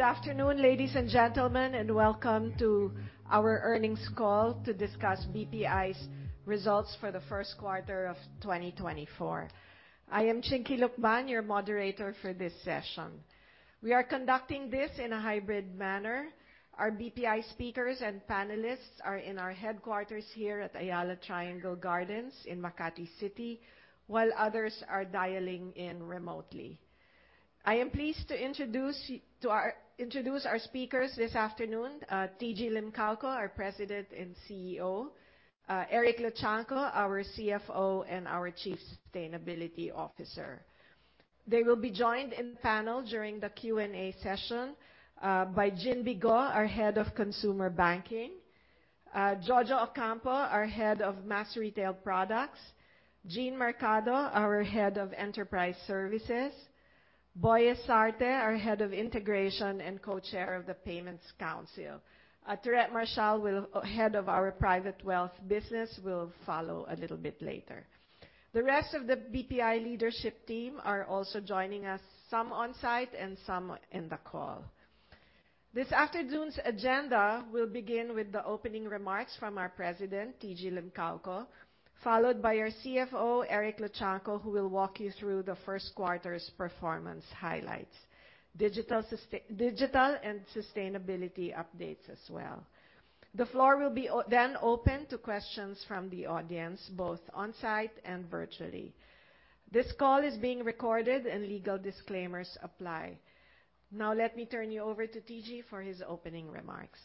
Good afternoon, ladies and gentlemen, and welcome to our earnings call to discuss BPI's results for the first quarter of 2024. I am Chinky Lukban, your moderator for this session. We are conducting this in a hybrid manner. Our BPI speakers and panelists are in our headquarters here at Ayala Triangle Gardens in Makati City, while others are dialing in remotely. I am pleased to introduce our speakers this afternoon, TG Limcaoco, our President and CEO, Eric Luchangco, our CFO and our Chief Sustainability Officer. They will be joined in the panel during the Q&A session, by Ginbee Go, our Head of Consumer Banking, Jojo Ocampo, our Head of Mass Retail Products, Jane Mercado, our Head of Enterprise Services, Elfren Antonio S. Sarte, our Head of Integration and Co-chair of the Payments Council. Maria Theresa D. Marcial, Head of our Private Wealth Business, will follow a little bit later. The rest of the BPI leadership team are also joining us, some on-site and some in the call. This afternoon's agenda will begin with the opening remarks from our President, TG Limcaoco, followed by our CFO, Eric Luchangco, who will walk you through the first quarter's performance highlights. Digital and sustainability updates as well. The floor will then open to questions from the audience, both on-site and virtually. This call is being recorded and legal disclaimers apply. Now let me turn you over to TG for his opening remarks.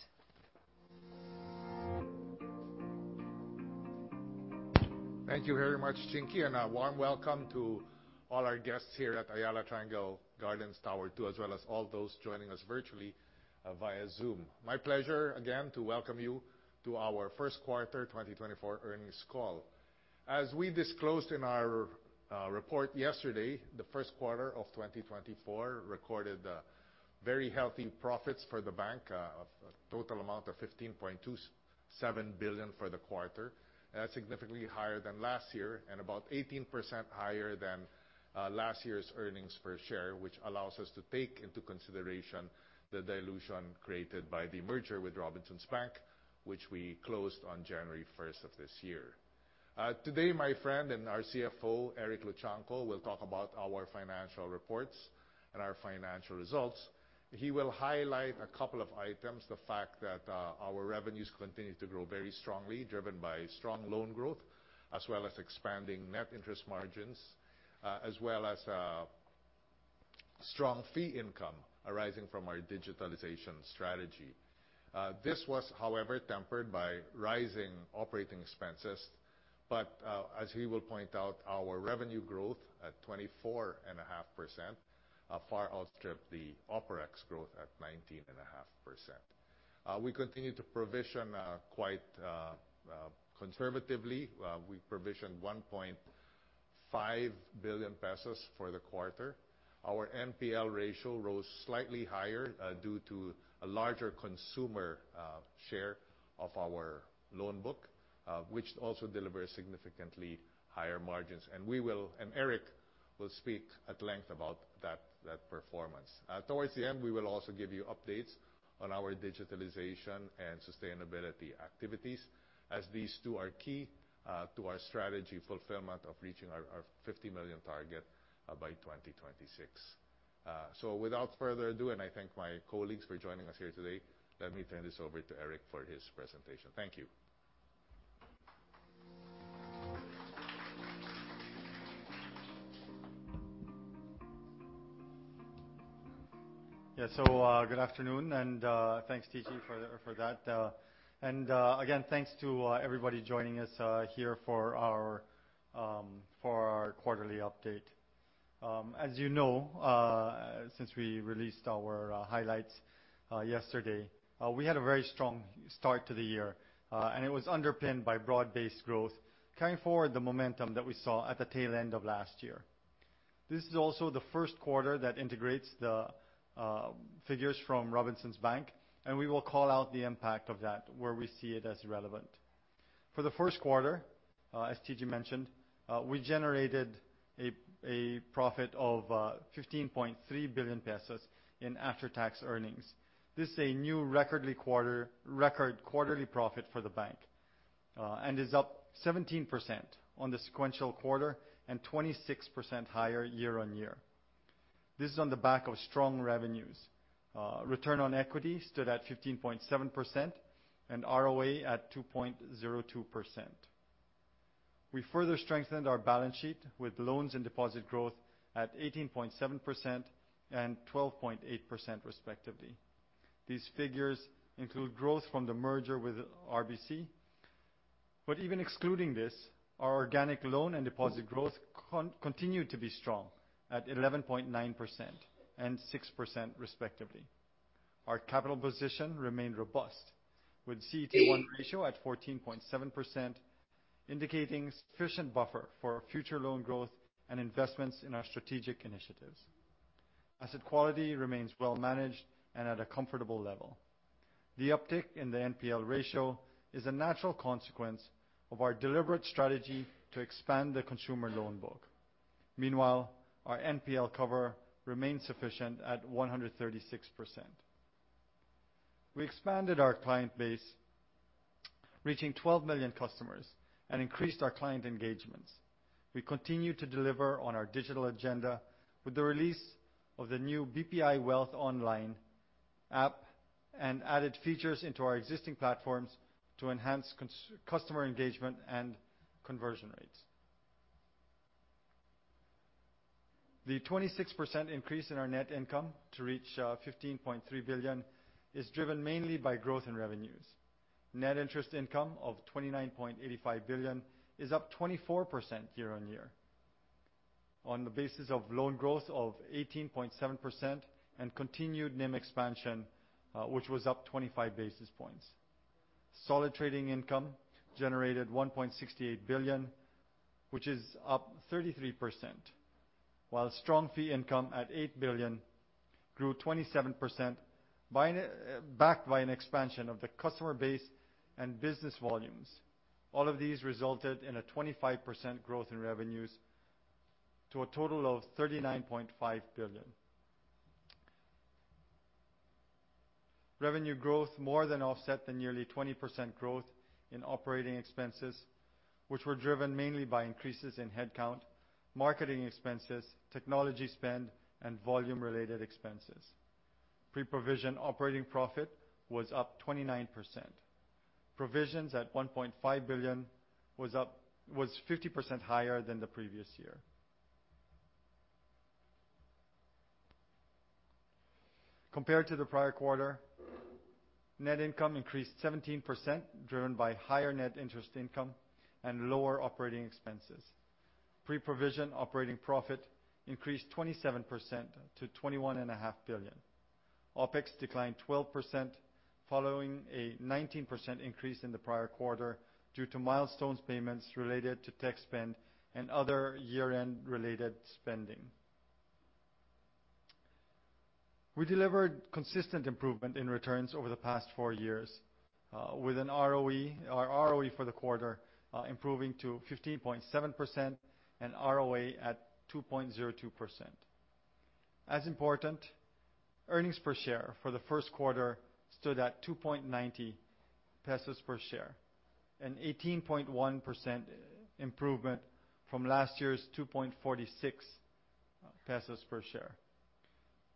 Thank you very much, Chinky Lukban, and a warm welcome to all our guests here at Ayala Triangle Gardens Tower Two, as well as all those joining us virtually, via Zoom. My pleasure again to welcome you to our first quarter 2024 earnings call. As we disclosed in our report yesterday, the first quarter of 2024 recorded very healthy profits for the bank of a total amount of 15.27 billion for the quarter. Significantly higher than last year and about 18% higher than last year's earnings per share, which allows us to take into consideration the dilution created by the merger with Robinsons Bank, which we closed on January 1st of this year. Today, my friend and our CFO, Eric Luchangco, will talk about our financial reports and our financial results. He will highlight a couple of items, the fact that our revenues continue to grow very strongly, driven by strong loan growth, as well as expanding net interest margins, as well as strong fee income arising from our digitalization strategy. This was, however, tempered by rising operating expenses, but as he will point out, our revenue growth at 24.5% far outstripped the OpEx growth at 19.5%. We continue to provision quite conservatively. We provisioned 1.5 billion pesos for the quarter. Our NPL ratio rose slightly higher due to a larger consumer share of our loan book, which also delivers significantly higher margins. Eric will speak at length about that performance. Towards the end, we will also give you updates on our digitalization and sustainability activities as these two are key to our strategy fulfillment of reaching our 50 million target by 2026. Without further ado, I thank my colleagues for joining us here today. Let me turn this over to Eric for his presentation. Thank you. Good afternoon, and thanks, TG, for that. Again, thanks to everybody joining us here for our quarterly update. As you know, since we released our highlights yesterday, we had a very strong start to the year. It was underpinned by broad-based growth, carrying forward the momentum that we saw at the tail end of last year. This is also the first quarter that integrates the figures from Robinsons Bank, and we will call out the impact of that where we see it as relevant. For the first quarter, as TG mentioned, we generated a profit of 15.3 billion pesos in after-tax earnings. This is a record quarterly profit for the bank, and is up 17% on the sequential quarter and 26% higher year-on-year. This is on the back of strong revenues. Return on equity stood at 15.7% and ROA at 2.02%. We further strengthened our balance sheet with loans and deposit growth at 18.7% and 12.8% respectively. These figures include growth from the merger with RBC. Even excluding this, our organic loan and deposit growth continue to be strong at 11.9% and 6% respectively. Our capital position remained robust with CET1 ratio at 14.7%, indicating sufficient buffer for future loan growth and investments in our strategic initiatives. Asset quality remains well managed and at a comfortable level. The uptick in the NPL ratio is a natural consequence of our deliberate strategy to expand the consumer loan book. Meanwhile, our NPL cover remains sufficient at 136%. We expanded our client base, reaching 12 million customers, and increased our client engagements. We continue to deliver on our digital agenda with the release of the new BPI Wealth Online app and added features into our existing platforms to enhance customer engagement and conversion rates. The 26% increase in our net income to reach 15.3 billion is driven mainly by growth in revenues. Net interest income of 29.85 billion is up 24% year-on-year. On the basis of loan growth of 18.7% and continued NIM expansion, which was up 25 basis points. Solid trading income generated 1.68 billion, which is up 33%, while strong fee income at 8 billion grew 27% backed by an expansion of the customer base and business volumes. All of these resulted in a 25% growth in revenues to a total of 39.5 billion. Revenue growth more than offset the nearly 20% growth in operating expenses, which were driven mainly by increases in headcount, marketing expenses, technology spend, and volume-related expenses. Pre-provision operating profit was up 29%. Provisions at 1.5 billion was 50% higher than the previous year. Compared to the prior quarter, net income increased 17%, driven by higher net interest income and lower operating expenses. Pre-provision operating profit increased 27% to 21.5 billion. OpEx declined 12% following a 19% increase in the prior quarter due to milestones payments related to tech spend and other year-end related spending. We delivered consistent improvement in returns over the past four years with our ROE for the quarter improving to 15.7% and ROA at 2.02%. As important, earnings per share for the first quarter stood at 2.90 pesos per share, an 18.1% improvement from last year's 2.46 pesos per share,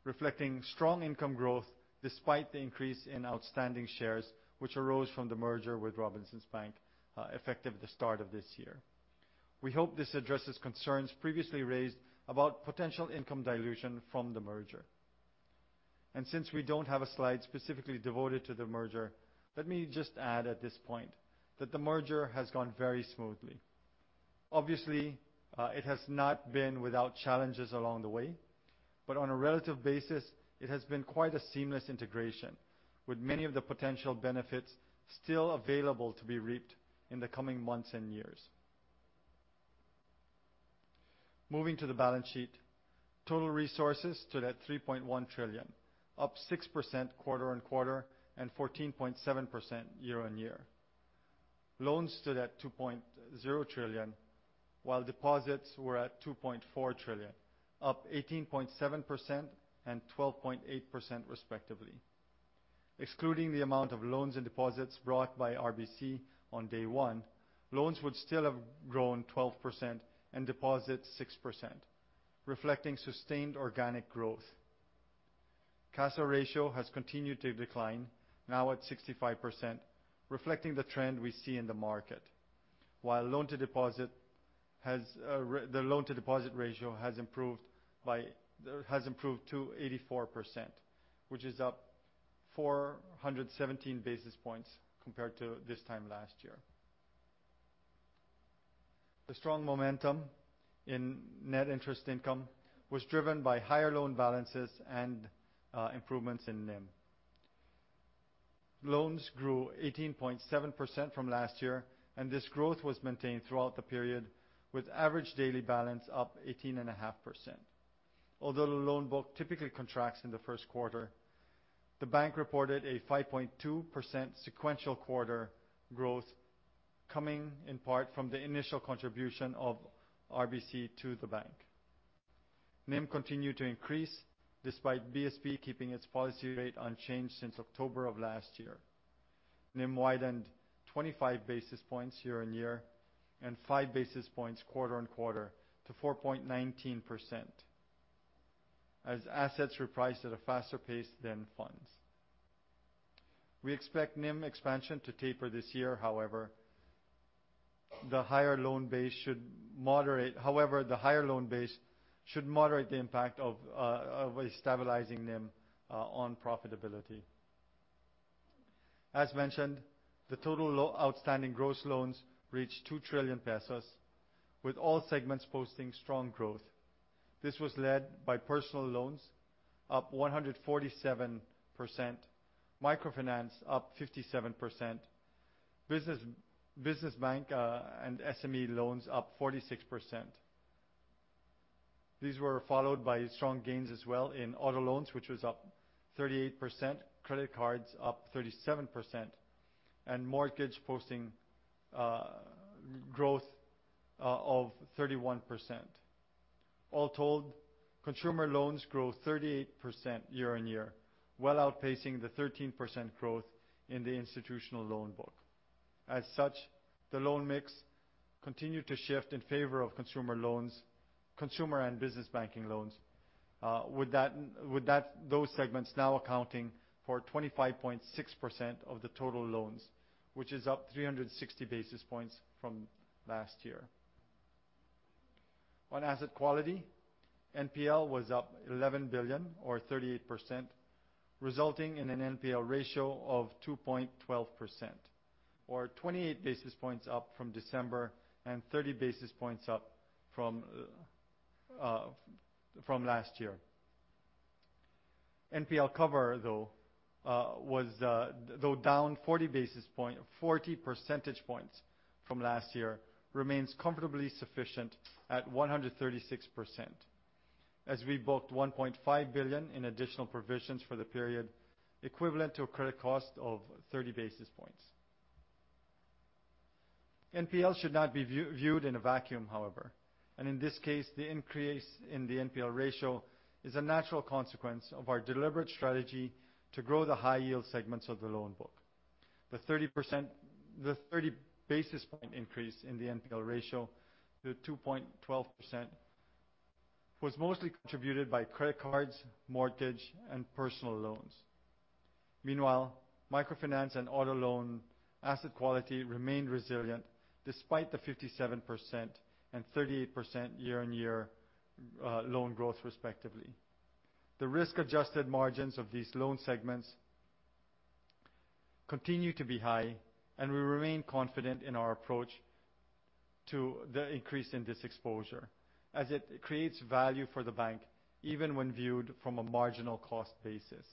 reflecting strong income growth despite the increase in outstanding shares which arose from the merger with Robinsons Bank effective at the start of this year. We hope this addresses concerns previously raised about potential income dilution from the merger. Since we don't have a slide specifically devoted to the merger, let me just add at this point that the merger has gone very smoothly. Obviously, it has not been without challenges along the way, but on a relative basis, it has been quite a seamless integration, with many of the potential benefits still available to be reaped in the coming months and years. Moving to the balance sheet, total resources stood at 3.1 trillion, up 6% quarter-on-quarter and 14.7% year-on-year. Loans stood at 2.0 trillion, while deposits were at 2.4 trillion, up 18.7% and 12.8% respectively. Excluding the amount of loans and deposits brought by RBC on day one, loans would still have grown 12% and deposits 6%, reflecting sustained organic growth. CASA ratio has continued to decline, now at 65%, reflecting the trend we see in the market. While the loan to deposit ratio has improved to 84%, which is up 417 basis points compared to this time last year. The strong momentum in net interest income was driven by higher loan balances and improvements in NIM. Loans grew 18.7% from last year, and this growth was maintained throughout the period, with average daily balance up 18.5%. Although the loan book typically contracts in the first quarter, the bank reported a 5.2% sequential quarter growth coming in part from the initial contribution of RBC to the bank. NIM continued to increase despite BSP keeping its policy rate unchanged since October of last year. NIM widened 25 basis points year-on-year and 5 basis points quarter-on-quarter to 4.19% as assets repriced at a faster pace than funds. We expect NIM expansion to taper this year. However, the higher loan base should moderate the impact of a stabilizing NIM on profitability. As mentioned, outstanding gross loans reached 2 trillion pesos, with all segments posting strong growth. This was led by personal loans up 147%, microfinance up 57%, business bank and SME loans up 46%. These were followed by strong gains as well in auto loans, which was up 38%, credit cards up 37%, and mortgage posting growth of 31%. All told, consumer loans grew 38% year-on-year, well outpacing the 13% growth in the institutional loan book. As such, the loan mix continued to shift in favor of consumer loans, consumer and business banking loans, with that, those segments now accounting for 25.6% of the total loans, which is up 360 basis points from last year. On asset quality, NPL was up 11 billion or 38%, resulting in an NPL ratio of 2.12% or 28 basis points up from December and 30 basis points up from last year. NPL cover, though, was though down 40 percentage points from last year, remains comfortably sufficient at 136% as we booked 1.5 billion in additional provisions for the period, equivalent to a credit cost of 30 basis points. NPL should not be viewed in a vacuum, however, and in this case, the increase in the NPL ratio is a natural consequence of our deliberate strategy to grow the high yield segments of the loan book. The 30 basis point increase in the NPL ratio to 2.12% was mostly contributed by credit cards, mortgage, and personal loans. Meanwhile, microfinance and auto loan asset quality remained resilient despite the 57% and 38% year-on-year loan growth, respectively. The risk-adjusted margins of these loan segments continue to be high, and we remain confident in our approach to the increase in this exposure as it creates value for the bank even when viewed from a marginal cost basis.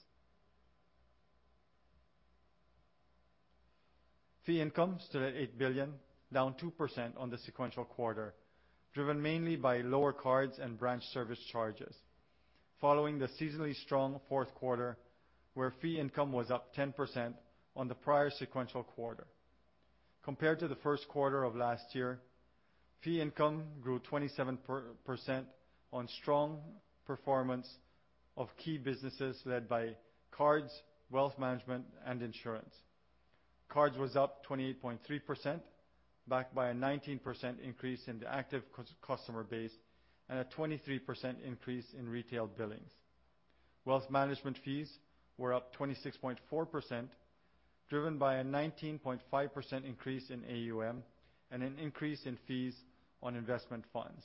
Fee income stood at 8 billion, down 2% on the sequential quarter, driven mainly by lower cards and branch service charges following the seasonally strong fourth quarter, where fee income was up 10% on the prior sequential quarter. Compared to the first quarter of last year, fee income grew 27% on strong performance of key businesses led by cards, wealth management, and insurance. Cards was up 28.3%, backed by a 19% increase in the active customer base, and a 23% increase in retail billings. Wealth management fees were up 26.4%, driven by a 19.5% increase in AUM and an increase in fees on investment funds.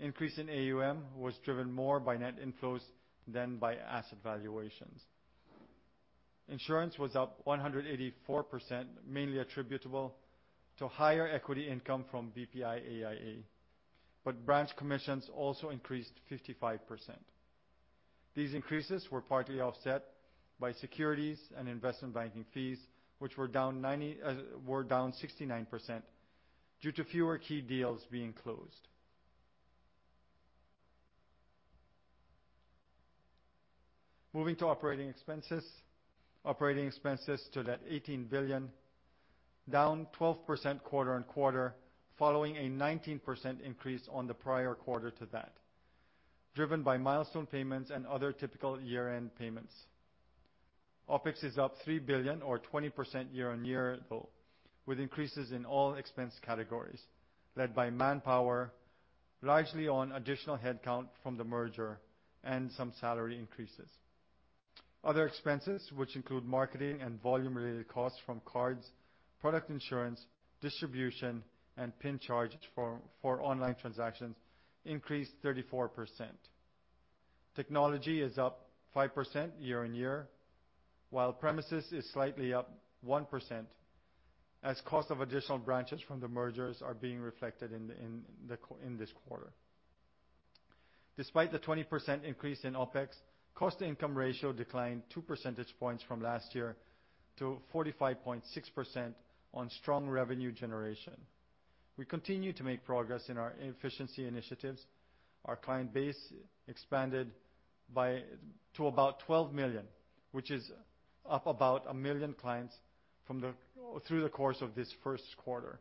Increase in AUM was driven more by net inflows than by asset valuations. Insurance was up 184%, mainly attributable to higher equity income from BPI AIA, but branch commissions also increased 55%. These increases were partly offset by securities and investment banking fees, which were down 69% due to fewer key deals being closed. Moving to operating expenses. Operating expenses stood at 18 billion, down 12% quarter-on-quarter, following a 19% increase on the prior quarter to that, driven by milestone payments and other typical year-end payments. OpEx is up 3 billion or 20% year-on-year, with increases in all expense categories, led by manpower, largely on additional headcount from the merger and some salary increases. Other expenses, which include marketing and volume-related costs from cards, product insurance, distribution, and PIN charges for online transactions, increased 34%. Technology is up 5% year-on-year, while premises is slightly up 1% as cost of additional branches from the mergers are being reflected in this quarter. Despite the 20% increase in OpEx, cost to income ratio declined two percentage points from last year to 45.6% on strong revenue generation. We continue to make progress in our efficiency initiatives. Our client base expanded to about 12 million, which is up about 1 million clients through the course of this first quarter.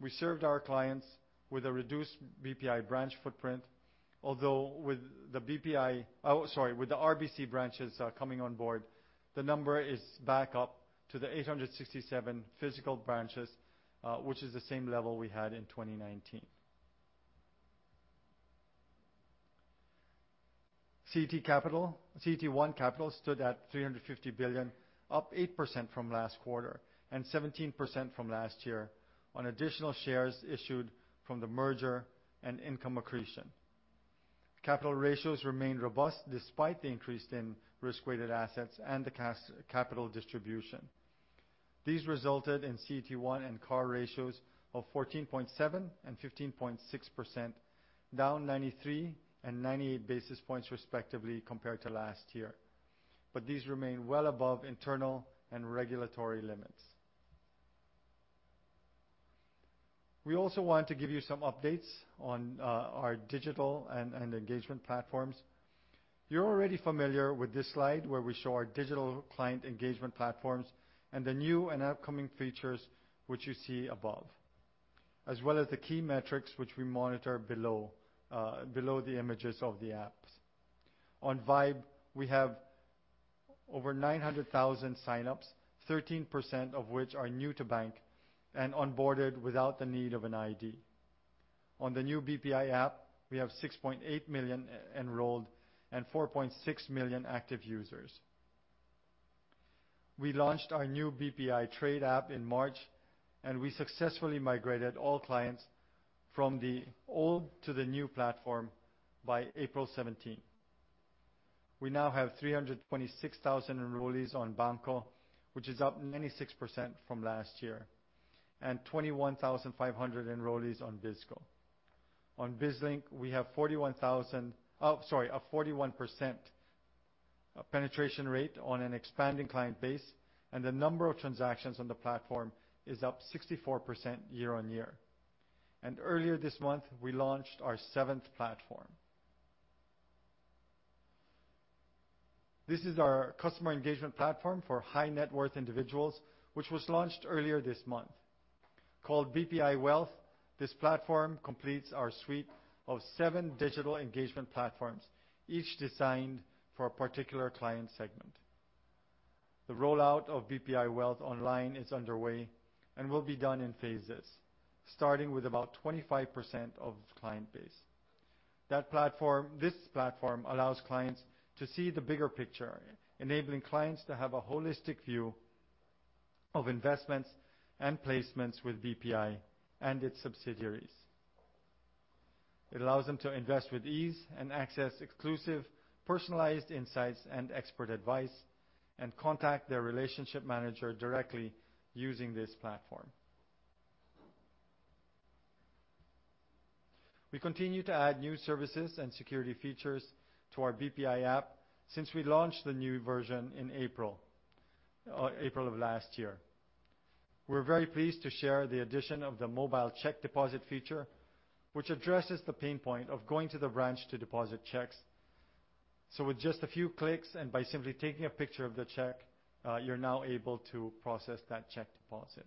We served our clients with a reduced BPI branch footprint, with the RBC branches coming on board, the number is back up to 867 physical branches, which is the same level we had in 2019. CET1 capital stood at 350 billion, up 8% from last quarter and 17% from last year on additional shares issued from the merger and income accretion. Capital ratios remained robust despite the increase in risk-weighted assets and the cash capital distribution. These resulted in CET1 and CAR ratios of 14.7% and 15.6%, down 93 and 98 basis points respectively compared to last year. These remain well above internal and regulatory limits. We also want to give you some updates on our digital and engagement platforms. You're already familiar with this slide where we show our digital client engagement platforms and the new and upcoming features which you see above, as well as the key metrics which we monitor below the images of the apps. On VYBE, we have over 900,000 sign-ups, 13% of which are new to bank and onboarded without the need of an ID. On the new BPI app, we have 6.8 million e-enrolled and 4.6 million active users. We launched our new BPI Trade app in March, and we successfully migrated all clients from the old to the new platform by April 17. We now have 326,000 enrollees on BanKo, which is up 96% from last year, and 21,500 enrollees on BizKo. On BizLink, we have 41,000... Oh, sorry, a 41% penetration rate on an expanding client base, and the number of transactions on the platform is up 64% year-on-year. Earlier this month, we launched our seventh platform. This is our customer engagement platform for high net worth individuals, which was launched earlier this month. Called BPI Wealth, this platform completes our suite of seven digital engagement platforms, each designed for a particular client segment. The rollout of BPI Wealth Online is underway and will be done in phases, starting with about 25% of the client base. This platform allows clients to see the bigger picture, enabling clients to have a holistic view of investments and placements with BPI and its subsidiaries. It allows them to invest with ease and access exclusive personalized insights and expert advice and contact their relationship manager directly using this platform. We continue to add new services and security features to our BPI app since we launched the new version in April of last year. We're very pleased to share the addition of the mobile check deposit feature, which addresses the pain point of going to the branch to deposit checks. With just a few clicks and by simply taking a picture of the check, you're now able to process that check deposit.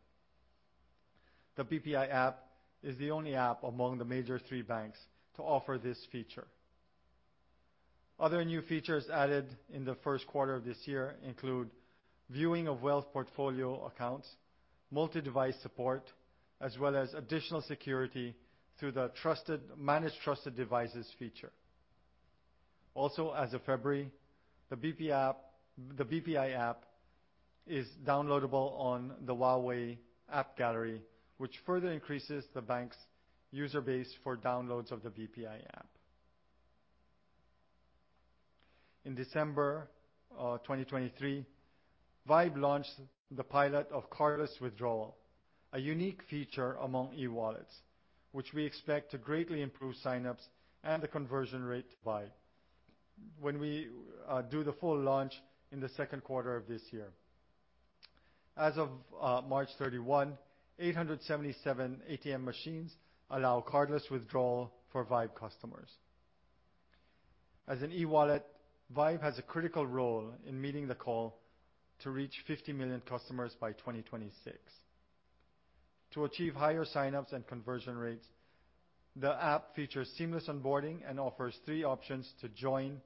The BPI app is the only app among the major three banks to offer this feature. Other new features added in the first quarter of this year include viewing of wealth portfolio accounts, multi-device support, as well as additional security through the trusted managed devices feature. Also, as of February, the BPI app is downloadable on the Huawei AppGallery, which further increases the bank's user base for downloads of the BPI app. In December 2023, VYBE launched the pilot of cardless withdrawal, a unique feature among e-wallets, which we expect to greatly improve sign-ups and the conversion rate to VYBE when we do the full launch in the second quarter of this year. As of March 31, 877 ATM machines allow cardless withdrawal for VYBE customers. As an e-wallet, VYBE has a critical role in meeting the call to reach 50 million customers by 2026. To achieve higher sign-ups and conversion rates, the app features seamless onboarding and offers three options to join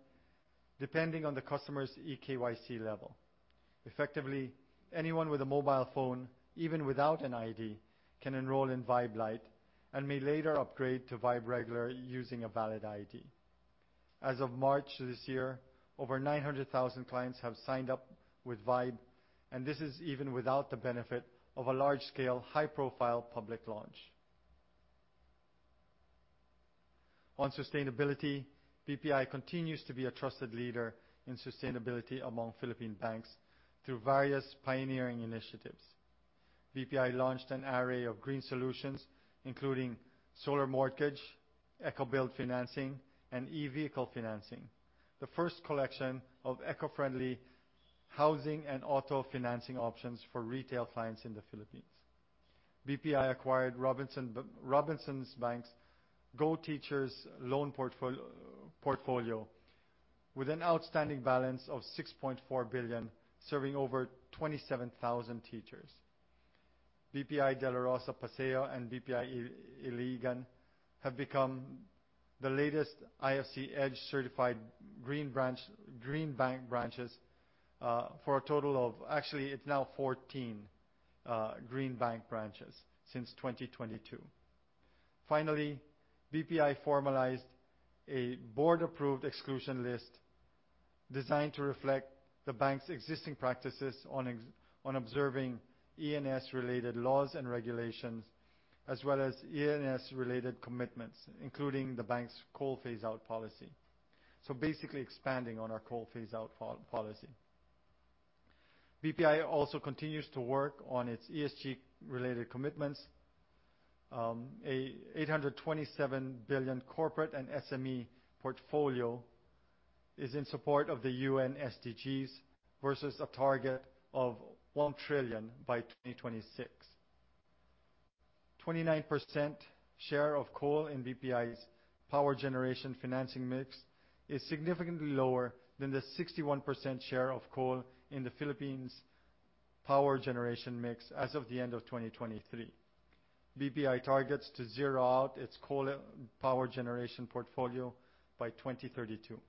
depending on the customer's eKYC level. Effectively, anyone with a mobile phone, even without an ID, can enroll in VYBE Lite and may later upgrade to VYBE Regular using a valid ID. As of March this year, over 900,000 clients have signed up with VYBE, and this is even without the benefit of a large-scale, high-profile public launch. On sustainability, BPI continues to be a trusted leader in sustainability among Philippine banks through various pioneering initiatives. BPI launched an array of green solutions, including solar mortgage, eco-build financing, and e-vehicle financing. The first collection of eco-friendly housing and auto financing options for retail clients in the Philippines. BPI acquired Robinsons Bank's GoTeachers loan portfolio with an outstanding balance of 6.4 billion, serving over 27,000 teachers. BPI Dela Rosa Paseo and BPI Iligan have become the latest IFC EDGE-certified green bank branches, for a total of... Actually, it's now 14 green bank branches since 2022. Finally, BPI formalized a board-approved exclusion list designed to reflect the bank's existing practices on observing E&S related laws and regulations, as well as E&S related commitments, including the bank's coal phase out policy. Basically expanding on our coal phase out policy. BPI also continues to work on its ESG related commitments. An 827 billion corporate and SME portfolio is in support of the UN SDGs versus a target of 1 trillion by 2026. 29% share of coal in BPI's power generation financing mix is significantly lower than the 61% share of coal in the Philippines' power generation mix as of the end of 2023. BPI targets to zero out its coal power generation portfolio by 2032.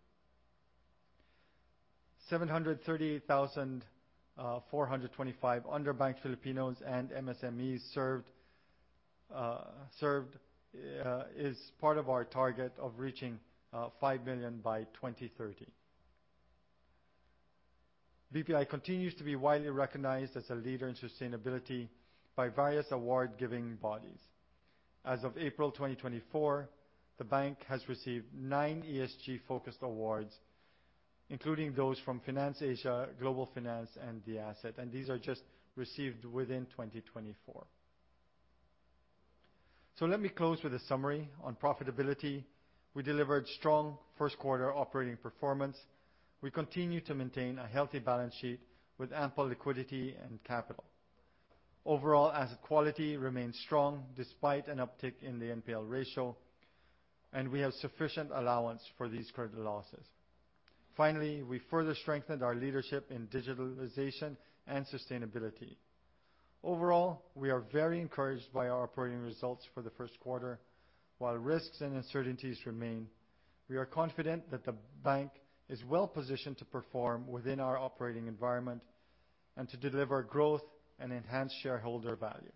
738,425 underbanked Filipinos and MSMEs served is part of our target of reaching 5 million by 2030. BPI continues to be widely recognized as a leader in sustainability by various award-giving bodies. As of April 2024, the bank has received 9 ESG-focused awards, including those from FinanceAsia, Global Finance, and The Asset, and these are just received within 2024. Let me close with a summary. On profitability, we delivered strong first quarter operating performance. We continue to maintain a healthy balance sheet with ample liquidity and capital. Overall asset quality remains strong despite an uptick in the NPL ratio, and we have sufficient allowance for these credit losses. Finally, we further strengthened our leadership in digitalization and sustainability. Overall, we are very encouraged by our operating results for the first quarter. While risks and uncertainties remain, we are confident that the bank is well-positioned to perform within our operating environment and to deliver growth and enhance shareholder value.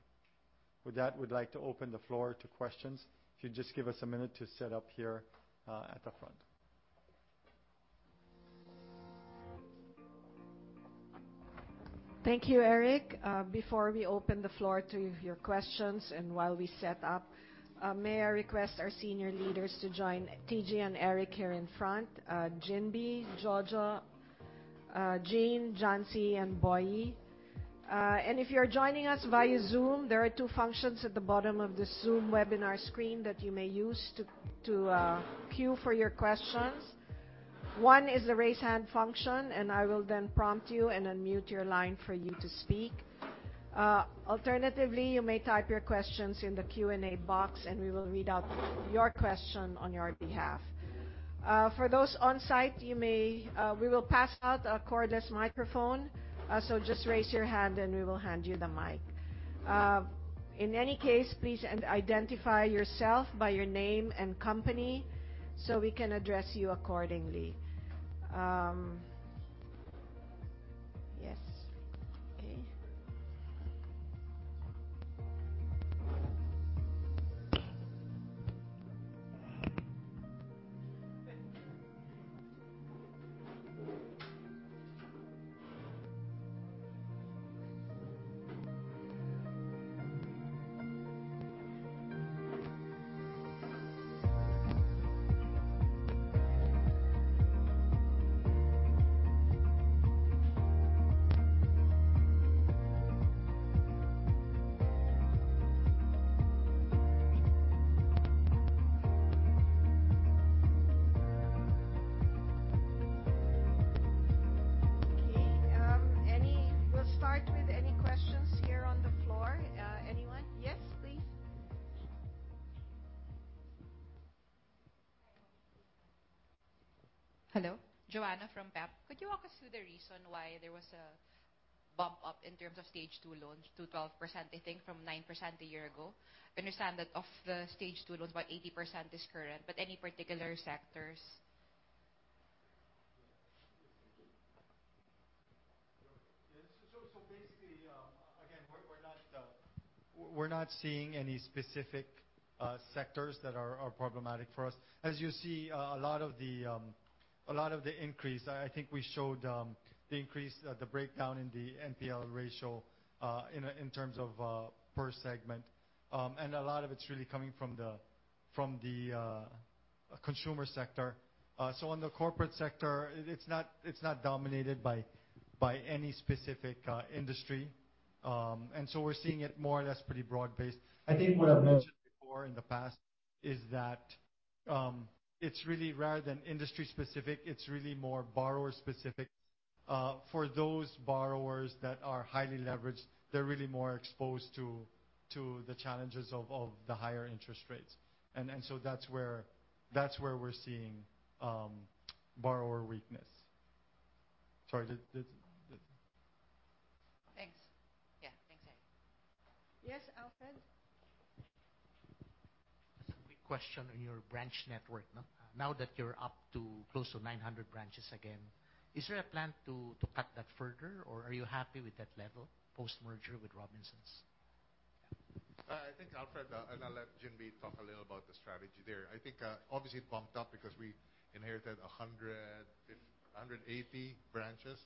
With that, we'd like to open the floor to questions. If you just give us a minute to set up here, at the front. Thank you, Eric. Before we open the floor to your questions, and while we set up, may I request our senior leaders to join TJ and Eric here in front, Ginbee, Jojo, Jane, John C, and Boy. If you're joining us via Zoom, there are two functions at the bottom of the Zoom webinar screen that you may use to queue for your questions. One is the Raise Hand function, and I will then prompt you and unmute your line for you to speak. Alternatively, you may type your questions in the Q&A box, and we will read out your question on your behalf. For those on-site, we will pass out a cordless microphone, so just raise your hand and we will hand you the mic. In any case, please identify yourself by your name and company so we can address you accordingly. Yes. Okay. Okay. We'll start with any questions here on the floor. Anyone? Yes, please. Hello. Joanna from Pep. Could you walk us through the reason why there was a bump up in terms of stage two loans to 12%, I think, from 9% a year ago? I understand that of the stage two loans, about 80% is current, but any particular sectors? Basically, again, we're not seeing any specific sectors that are problematic for us. As you see, a lot of the increase, I think we showed, the breakdown in the NPL ratio in terms of per segment. A lot of it's really coming from the consumer sector. On the corporate sector, it's not dominated by any specific industry. We're seeing it more or less pretty broad-based. I think what I've mentioned before in the past is that it's really rather than industry-specific, it's really more borrower-specific. For those borrowers that are highly leveraged, they're really more exposed to the challenges of the higher interest rates. That's where we're seeing borrower weakness. Sorry, did... Thanks. Yeah. Thanks, Eric. Yes, Alfred. Just a quick question on your branch network. Now that you're up to close to 900 branches again, is there a plan to cut that further, or are you happy with that level post-merger with Robinsons? I think, Alfred, and I'll let Ginbee talk a little about the strategy there. I think, obviously it bumped up because we inherited 158 branches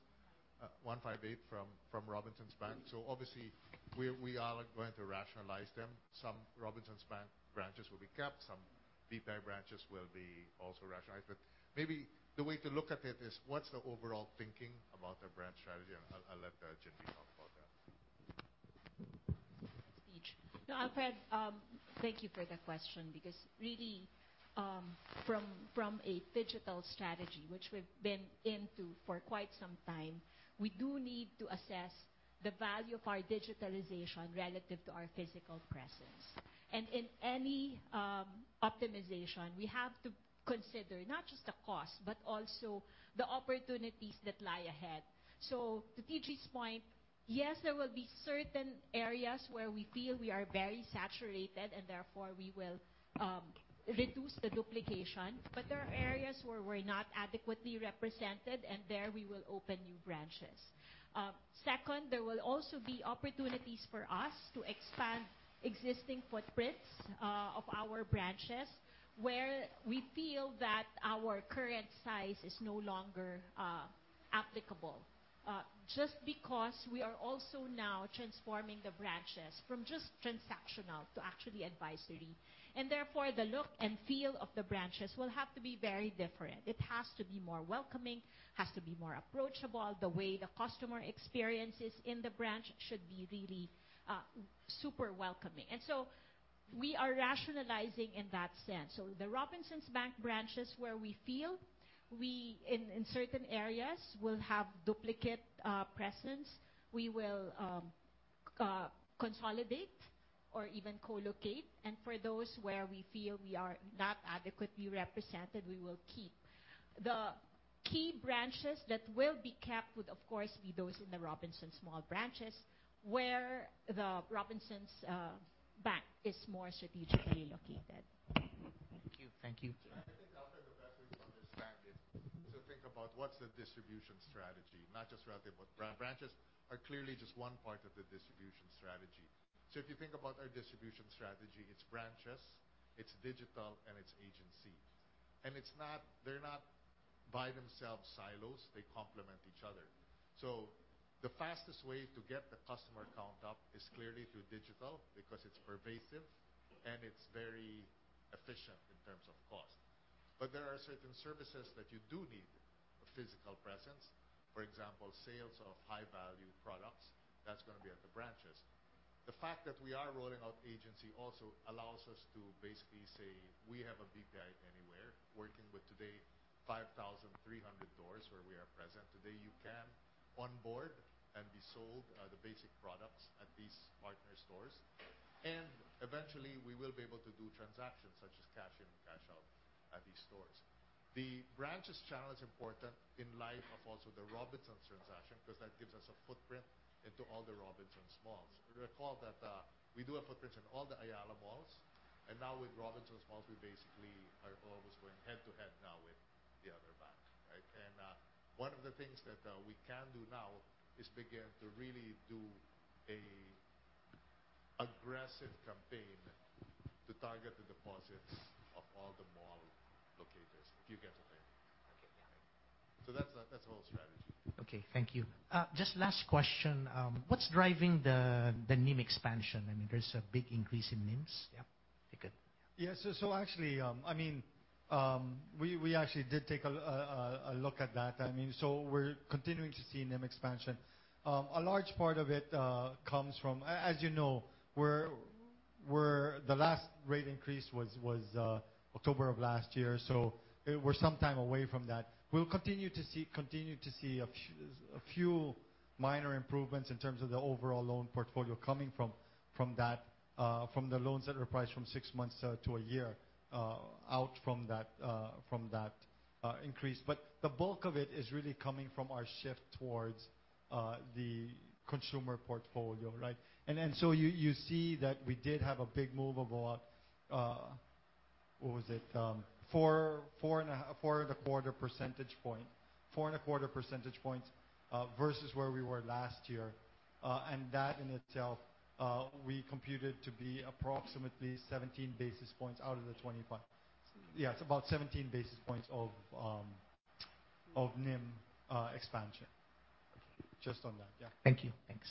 from Robinsons Bank. Obviously we are going to rationalize them. Some Robinsons Bank branches will be kept, some BPI branches will be also rationalized. Maybe the way to look at it is what's the overall thinking about the branch strategy, and I'll let Ginbee take that. No, Alfred, thank you for the question because really, from a digital strategy which we've been into for quite some time, we do need to assess the value of our digitalization relative to our physical presence. In any optimization, we have to consider not just the cost, but also the opportunities that lie ahead. To TJ's point, yes, there will be certain areas where we feel we are very saturated, and therefore, we will reduce the duplication. There are areas where we're not adequately represented, and there we will open new branches. Second, there will also be opportunities for us to expand existing footprints of our branches, where we feel that our current size is no longer applicable. Just because we are also now transforming the branches from just transactional to actually advisory. Therefore, the look and feel of the branches will have to be very different. It has to be more welcoming, has to be more approachable. The way the customer experiences in the branch should be really, super welcoming. We are rationalizing in that sense. The Robinsons Bank branches where we feel we in certain areas will have duplicate presence, we will consolidate or even co-locate. For those where we feel we are not adequately represented, we will keep. The key branches that will be kept would, of course, be those in the Robinsons Mall branches, where the Robinsons bank is more strategically located. Thank you. Thank you. I think, Alfred, the best way to understand it is to think about what's the distribution strategy, not just relative, but branches are clearly just one part of the distribution strategy. If you think about our distribution strategy, it's branches, it's digital, and it's agency. It's not. They're not by themselves silos, they complement each other. The fastest way to get the customer count up is clearly through digital because it's pervasive and it's very efficient in terms of cost. There are certain services that you do need a physical presence. For example, sales of high-value products, that's gonna be at the branches. The fact that we are rolling out agency also allows us to basically say we have a BPI anywhere working with today 5,300 doors where we are present. Today, you can onboard and be sold the basic products at these partner stores. Eventually, we will be able to do transactions such as cash in, cash out at these stores. The branches channel is important in light of also the Robinsons transaction because that gives us a footprint into all the Robinsons Malls. Recall that we do have footprints in all the Ayala Malls, and now with Robinsons Malls, we basically are almost going head-to-head now with the other bank, right? One of the things that we can do now is begin to really do an aggressive campaign to target the deposits of all the mall locators, if you get what I mean. Okay. Yeah. That's the whole strategy. Okay. Thank you. Just last question. What's driving the NIM expansion? I mean, there's a big increase in NIMs. Yeah. You could. Yes. Actually, I mean, we actually did take a look at that. I mean, we're continuing to see NIM expansion. A large part of it comes from, as you know, the last rate increase was October of last year, so we're some time away from that. We'll continue to see a few minor improvements in terms of the overall loan portfolio coming from that, from the loans that were priced from six months to a year out from that increase. But the bulk of it is really coming from our shift towards the consumer portfolio, right? You see that we did have a big move of about, what was it? 4.25 percentage point. 4.25 percentage points versus where we were last year. That in itself we computed to be approximately 17 basis points out of the 25. Yeah, it's about 17 basis points of NIM expansion. Okay. Just on that. Yeah. Thank you. Thanks.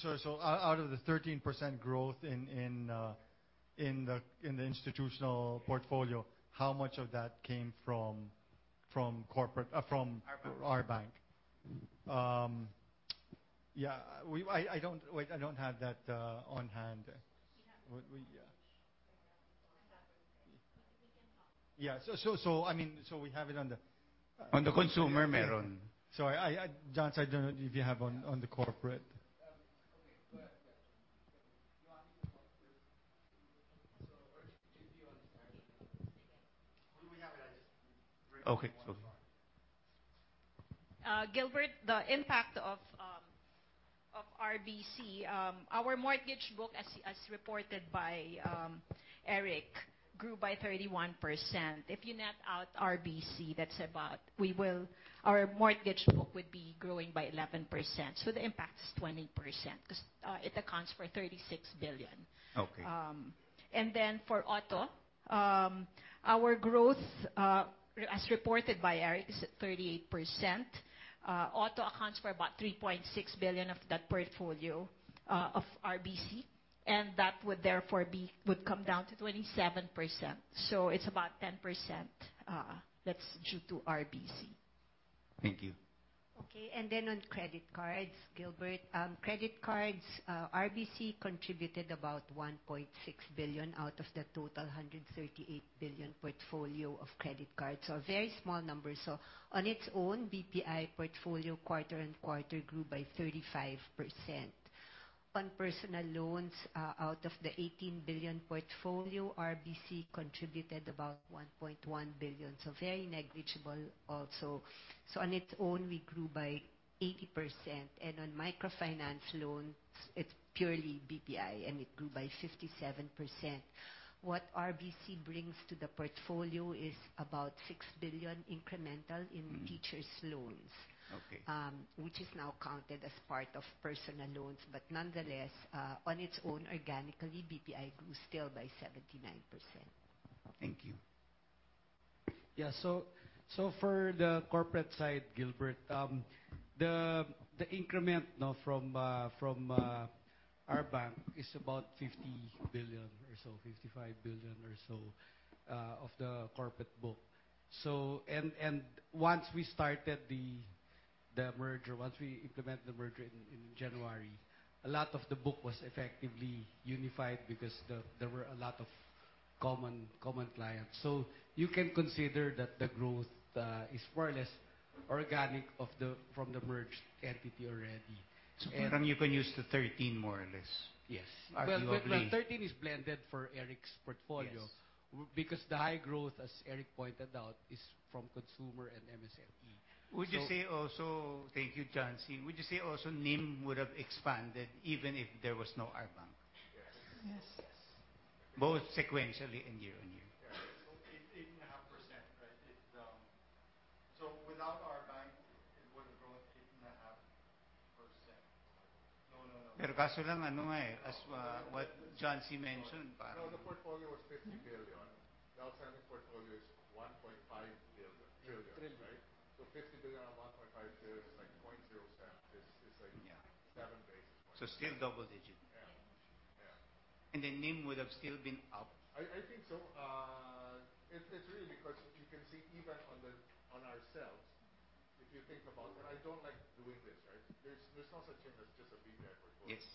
Yeah. Yeah. Thank you. The main question really is to get an idea on some of the other stuff, if there's more granularity on the adjusted numbers if you remove RBank. Like loans growth is more like 12% or 13% instead of 19% without RBank. Can you give also on the other major segments, especially like corporate? 13%, is it not gonna change much if it was just on a like-for-like basis? As for starters. Out of the 13% growth in the institutional portfolio- Yeah. How much of that came from corporate from- RBank? RBank? Yeah. I don't have that on hand. We have it. We, uh- We can talk. Yeah. I mean, so we have it on the On the consumer, meron. John, I don't know if you have on the corporate. Okay. Go ahead. Yeah. Do you want me to talk first? Where did you start? Okay. We have it. I just Okay. Okay. Gilbert, the impact of Of RBC, our mortgage book as reported by Eric grew by 31%. If you net out RBC, our mortgage book would be growing by 11%, so the impact is 20% 'cause it accounts for 36 billion. Okay. For auto, our growth as reported by Eric is at 38%. Auto accounts for about 3.6 billion of that portfolio of RBC, and that would come down to 27%. It's about 10%, that's due to RBC. Thank you. Okay. On credit cards, Gilbert. Credit cards, RBC contributed about 1.6 billion out of the total 138 billion portfolio of credit cards. A very small number. On its own, BPI portfolio quarter-over-quarter grew by 35%. On personal loans, out of the 18 billion portfolio, RBC contributed about 1.1 billion, very negligible also. On its own, we grew by 80%. On microfinance loans, it's purely BPI, and it grew by 57%. What RBC brings to the portfolio is about PHP 6 billion incremental- Mm-hmm. In teachers' loans. Okay. Which is now counted as part of personal loans, but nonetheless, on its own, organically, BPI grew still by 79%. Thank you. For the corporate side, Gilbert, the increment now from RBank is about 50 billion or so, 55 billion or so, of the corporate book. Once we implemented the merger in January, a lot of the book was effectively unified because there were a lot of common clients. You can consider that the growth is more or less organic from the merged entity already. You can use the 13% more or less? Yes. Are you okay? Well, my 13% is blended for Eric's portfolio. Yes. Because the high growth, as Eric pointed out, is from consumer and MSME. Thank you, John C. Would you say also NIM would have expanded even if there was no RBank? Yes. Yes. Yes. Both sequentially and year-on-year. Yeah. 8.5%, right? Without RBANK, it would have grown 8.5%. No. As what John C mentioned, but. No, the portfolio was 50 billion. The outstanding portfolio is 1.5 billion, trillions, right? Trillion. 50 billion on 1.5 trillion, like 0.07. It's like. Yeah. -7 basis points. Still double digit? Yeah. Yeah. The NIM would have still been up? I think so. It's really because you can see even on ourselves, if you think about. I don't like doing this, right? There's no such thing as just a BPI portfolio. Yes.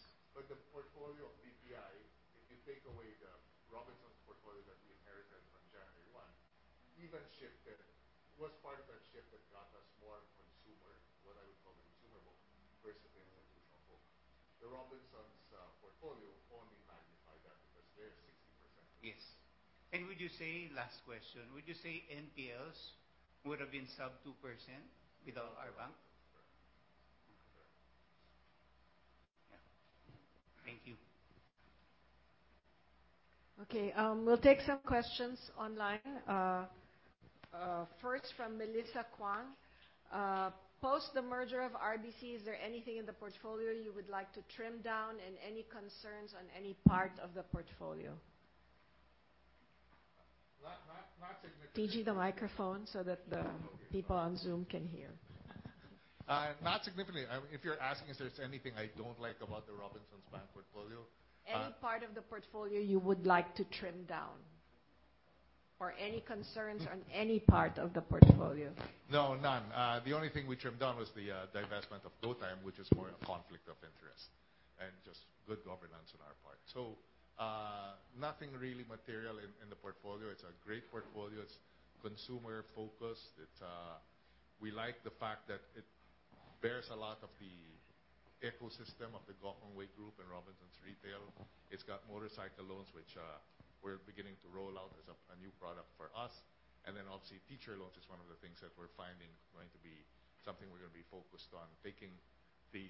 The portfolio of BPI, if you take away the Robinsons portfolio that we inherited on January 1, shifted. It was part of that shift that got us more consumer, what I would call the consumer book versus the institutional book. The Robinsons portfolio only magnified that because they're 60% consumer. Yes. Last question. Would you say NPLs would have been sub 2% without RBank? Sure. Yeah. Thank you. Okay. We'll take some questions online. First from Melissa Kwan. Post the merger of RBC, is there anything in the portfolio you would like to trim down, and any concerns on any part of the portfolio? Not significantly. TG, the microphone so that the. Yeah. Over here. People on Zoom can hear. Not significantly. If you're asking, is there anything I don't like about the Robinsons Bank portfolio? Any part of the portfolio you would like to trim down or any concerns on any part of the portfolio? No, none. The only thing we trimmed down was the divestment of GoTyme, which is more a conflict of interest, and just good governance on our part. Nothing really material in the portfolio. It's a great portfolio. It's consumer-focused. We like the fact that it bears a lot of the ecosystem of the Gokongwei Group and Robinsons Retail. It's got motorcycle loans which we're beginning to roll out as a new product for us. Obviously, teacher loans is one of the things that we're finding going to be something we're gonna be focused on, taking the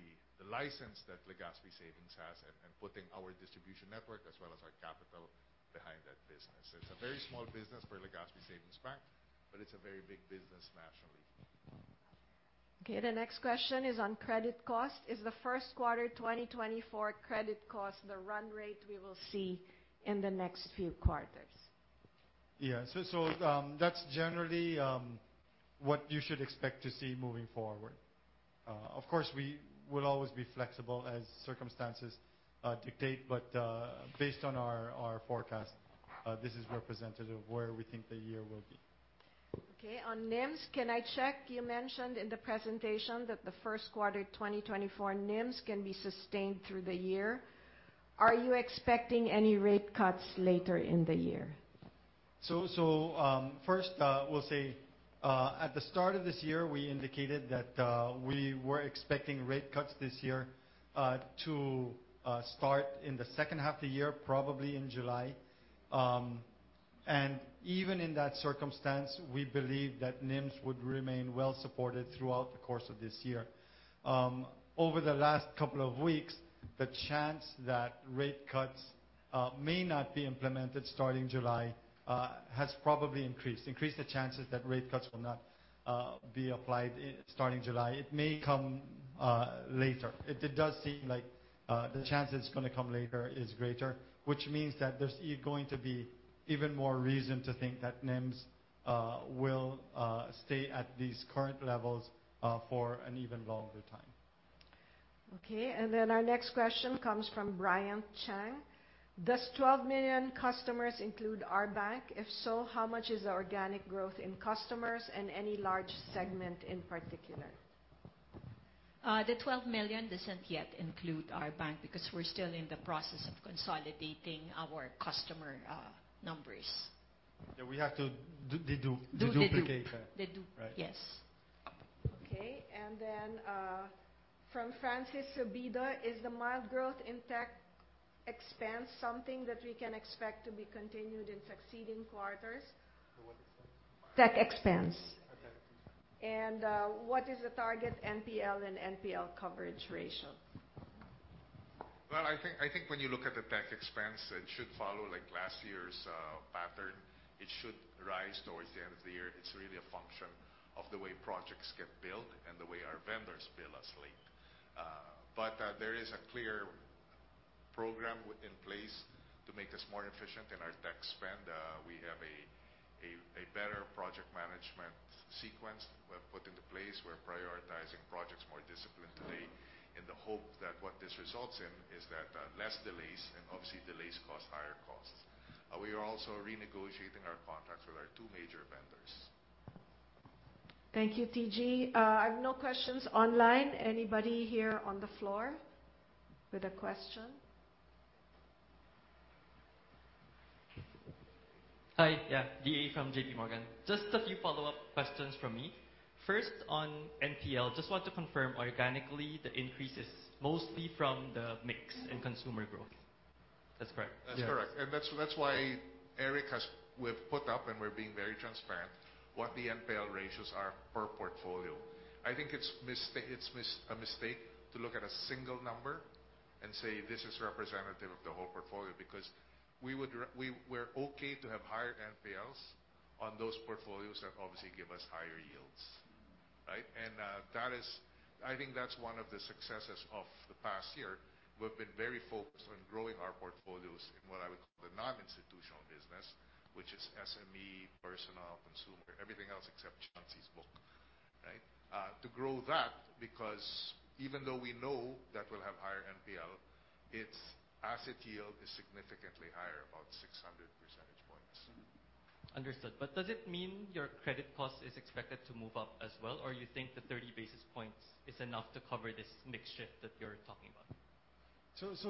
license that Legazpi Savings has and putting our distribution network as well as our capital behind that business. It's a very small business for Legazpi Savings Bank, but it's a very big business nationally. Okay. The next question is on credit cost. Is the first quarter 2024 credit cost the run rate we will see in the next few quarters? That's generally what you should expect to see moving forward. Of course, we will always be flexible as circumstances dictate. Based on our forecast, this is representative of where we think the year will be. Okay. On NIMs, can I check, you mentioned in the presentation that the first quarter 2024 NIMs can be sustained through the year. Are you expecting any rate cuts later in the year? First, we'll say, at the start of this year, we indicated that we were expecting rate cuts this year to start in the second half of the year, probably in July. Even in that circumstance, we believe that NIMs would remain well supported throughout the course of this year. Over the last couple of weeks, the chance that rate cuts may not be implemented starting July has probably increased. It may come later. It does seem like the chance it's gonna come later is greater, which means that there's going to be even more reason to think that NIMs will stay at these current levels for an even longer time. Okay. Our next question comes from Brian Chang. Does 12 million customers include RBank? If so, how much is the organic growth in customers and any large segment in particular? The 12 million doesn't yet include RBank because we're still in the process of consolidating our customer numbers. Yeah, we have to dedupe. Do dedupe. Deduplicate that. Dedupe. Right. Yes. From Francis Sabida. Is the mild growth in tech expense something that we can expect to be continued in succeeding quarters? The what expense? Tech expense. Oh, tech expense. What is the target NPL and NPL coverage ratio? I think when you look at the tech expense, it should follow like last year's pattern. It should rise towards the end of the year. It's really a function of the way projects get built and the way our vendors bill us late. But there is a clear program in place to make us more efficient in our tech spend. We have a better project management sequence we have put into place. We're prioritizing projects more disciplined today in the hope that what this results in is that less delays, and obviously delays cause higher costs. We are also renegotiating our contracts with our two major vendors. Thank you, TJ. I have no questions online. Anybody here on the floor with a question? Hi. Yeah, DA from JPMorgan. Just a few follow-up questions from me. First, on NPL, just want to confirm organically the increase is mostly from the mix and consumer growth. That's correct? Yes. That's correct. That's why we've put up and we're being very transparent what the NPL ratios are per portfolio. I think it's a mistake to look at a single number and say, "This is representative of the whole portfolio," because we're okay to have higher NPLs on those portfolios that obviously give us higher yields, right? That is. I think that's one of the successes of the past year. We've been very focused on growing our portfolios in what I would call the non-institutional business, which is SME, personal, consumer, everything else except John C.'s book, right? To grow that because even though we know that we'll have higher NPL, its asset yield is significantly higher, about 600 percentage points. Understood. Does it mean your credit cost is expected to move up as well? You think the 30 basis points is enough to cover this mix shift that you're talking about?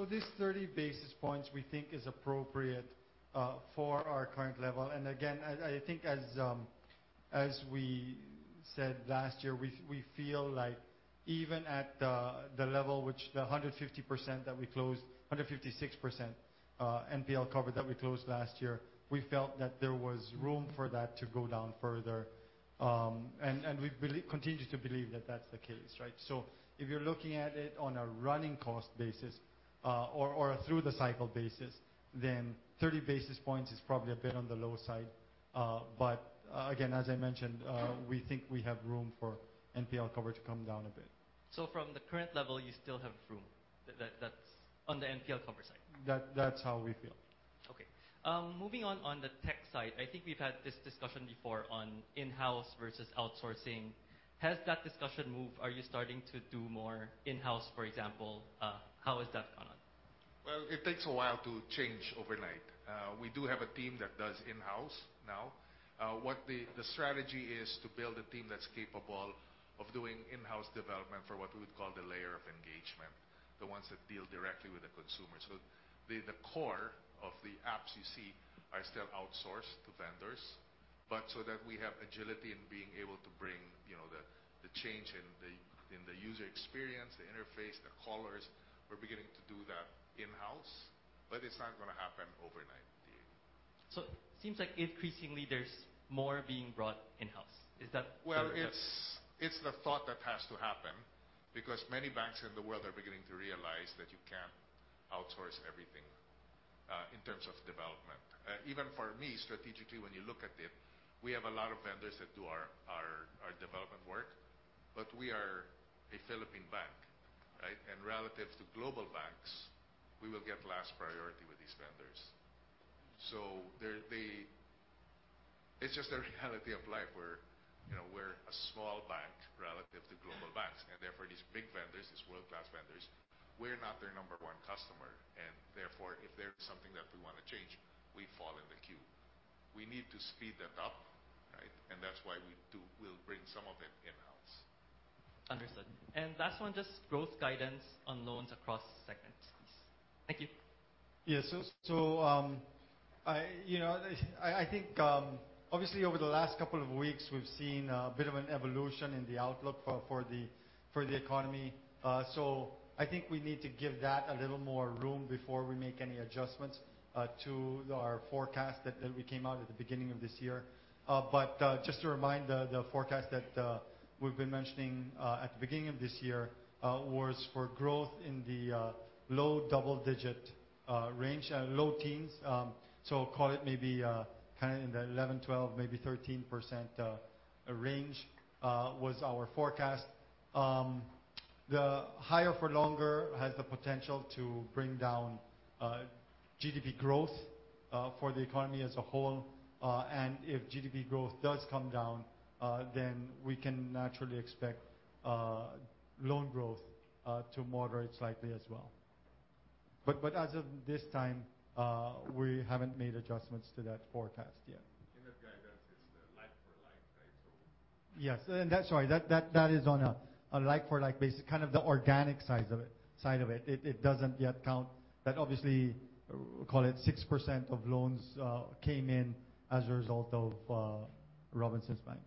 This 30 basis points we think is appropriate for our current level. I think as we said last year, we feel like even at the level which the 150% that we closed, 156%, NPL cover that we closed last year, we felt that there was room for that to go down further. We continue to believe that that's the case, right? If you're looking at it on a running cost basis, or a through the cycle basis, then 30 basis points is probably a bit on the low side. But again, as I mentioned, we think we have room for NPL cover to come down a bit. From the current level, you still have room. That's on the NPL cover side. That, that's how we feel. Okay. Moving on the tech side, I think we've had this discussion before on in-house versus outsourcing. Has that discussion moved? Are you starting to do more in-house, for example? How has that gone on? Well, it takes a while to change overnight. We do have a team that does in-house now. The strategy is to build a team that's capable of doing in-house development for what we would call the layer of engagement, the ones that deal directly with the consumer. The core of the apps you see are still outsourced to vendors. So that we have agility in being able to bring, you know, the change in the user experience, the interface, the colors. We're beginning to do that in-house, but it's not gonna happen overnight, DA. Seems like increasingly there's more being brought in-house. Is that fair to say? Well, it's the thought that has to happen because many banks in the world are beginning to realize that you can't outsource everything in terms of development. Even for me, strategically, when you look at it, we have a lot of vendors that do our development work, but we are a Philippine bank, right? Relative to global banks, we will get last priority with these vendors. It's just a reality of life where, you know, we're a small bank relative to global banks, and therefore, these big vendors, these world-class vendors, we're not their number one customer, and therefore, if there's something that we wanna change, we fall in the queue. We need to speed that up, right? That's why we'll bring some of it in-house. Understood. Last one, just growth guidance on loans across segments, please. Thank you. Yes. You know, I think obviously over the last couple of weeks, we've seen a bit of an evolution in the outlook for the economy. I think we need to give that a little more room before we make any adjustments to our forecast that we came out at the beginning of this year. Just to remind, the forecast that we've been mentioning at the beginning of this year was for growth in the low double-digit range, low teens. Call it maybe kind of in the 11%, 12%, maybe 13% range was our forecast. The higher for longer has the potential to bring down GDP growth for the economy as a whole. If GDP growth does come down, then we can naturally expect loan growth to moderate slightly as well. As of this time, we haven't made adjustments to that forecast yet. That guidance is the like for like, right? So Yes. That's right. That is on a like for like basis, kind of the organic size of it, side of it. It doesn't yet count that obviously, call it 6% of loans came in as a result of Robinsons Bank.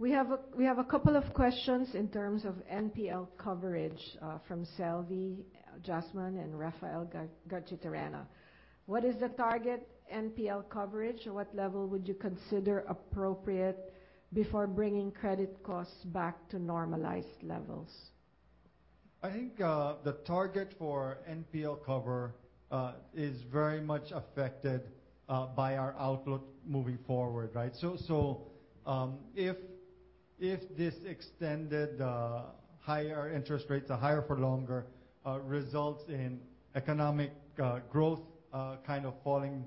We have a couple of questions in terms of NPL coverage from Selvi Jasmine and Rafael Garchitorena. What is the target NPL coverage? What level would you consider appropriate before bringing credit costs back to normalized levels? I think the target for NPL cover is very much affected by our outlook moving forward, right? If this extended higher interest rates are higher for longer results in economic growth kind of falling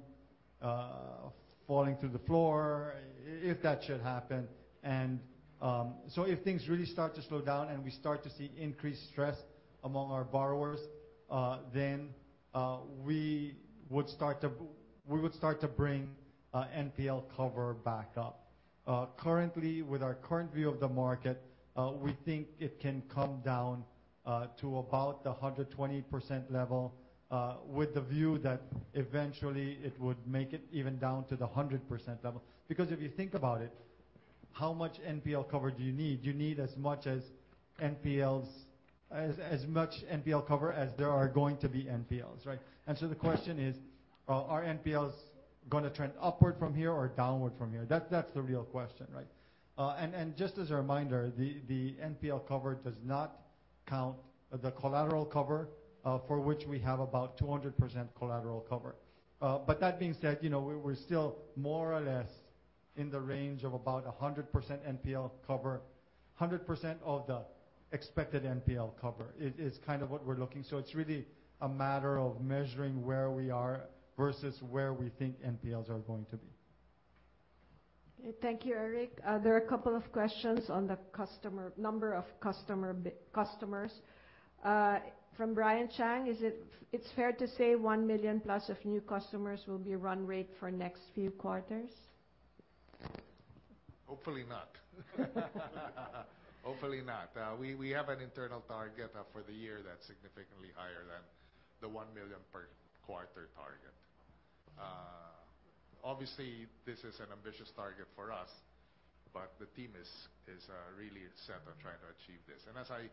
through the floor, if that should happen. If things really start to slow down and we start to see increased stress among our borrowers, then we would start to bring NPL cover back up. Currently, with our current view of the market, we think it can come down to about the 120% level, with the view that eventually it would make it even down to the 100% level. Because if you think about it, how much NPL cover do you need? You need as much NPL cover as there are going to be NPLs, right? The question is, are NPLs gonna trend upward from here or downward from here? That's the real question, right? Just as a reminder, the NPL cover does not count the collateral cover, for which we have about 200% collateral cover. But that being said, you know, we're still more or less in the range of about 100% NPL cover. 100% of the expected NPL cover is kind of what we're looking. It's really a matter of measuring where we are versus where we think NPLs are going to be. Okay. Thank you, Eric. There are a couple of questions on the number of customers. From Brian Chang. It's fair to say 1 million plus of new customers will be run rate for next few quarters. Hopefully not. We have an internal target for the year that's significantly higher than the 1 million per quarter target. Obviously, this is an ambitious target for us, but the team is really set on trying to achieve this. As I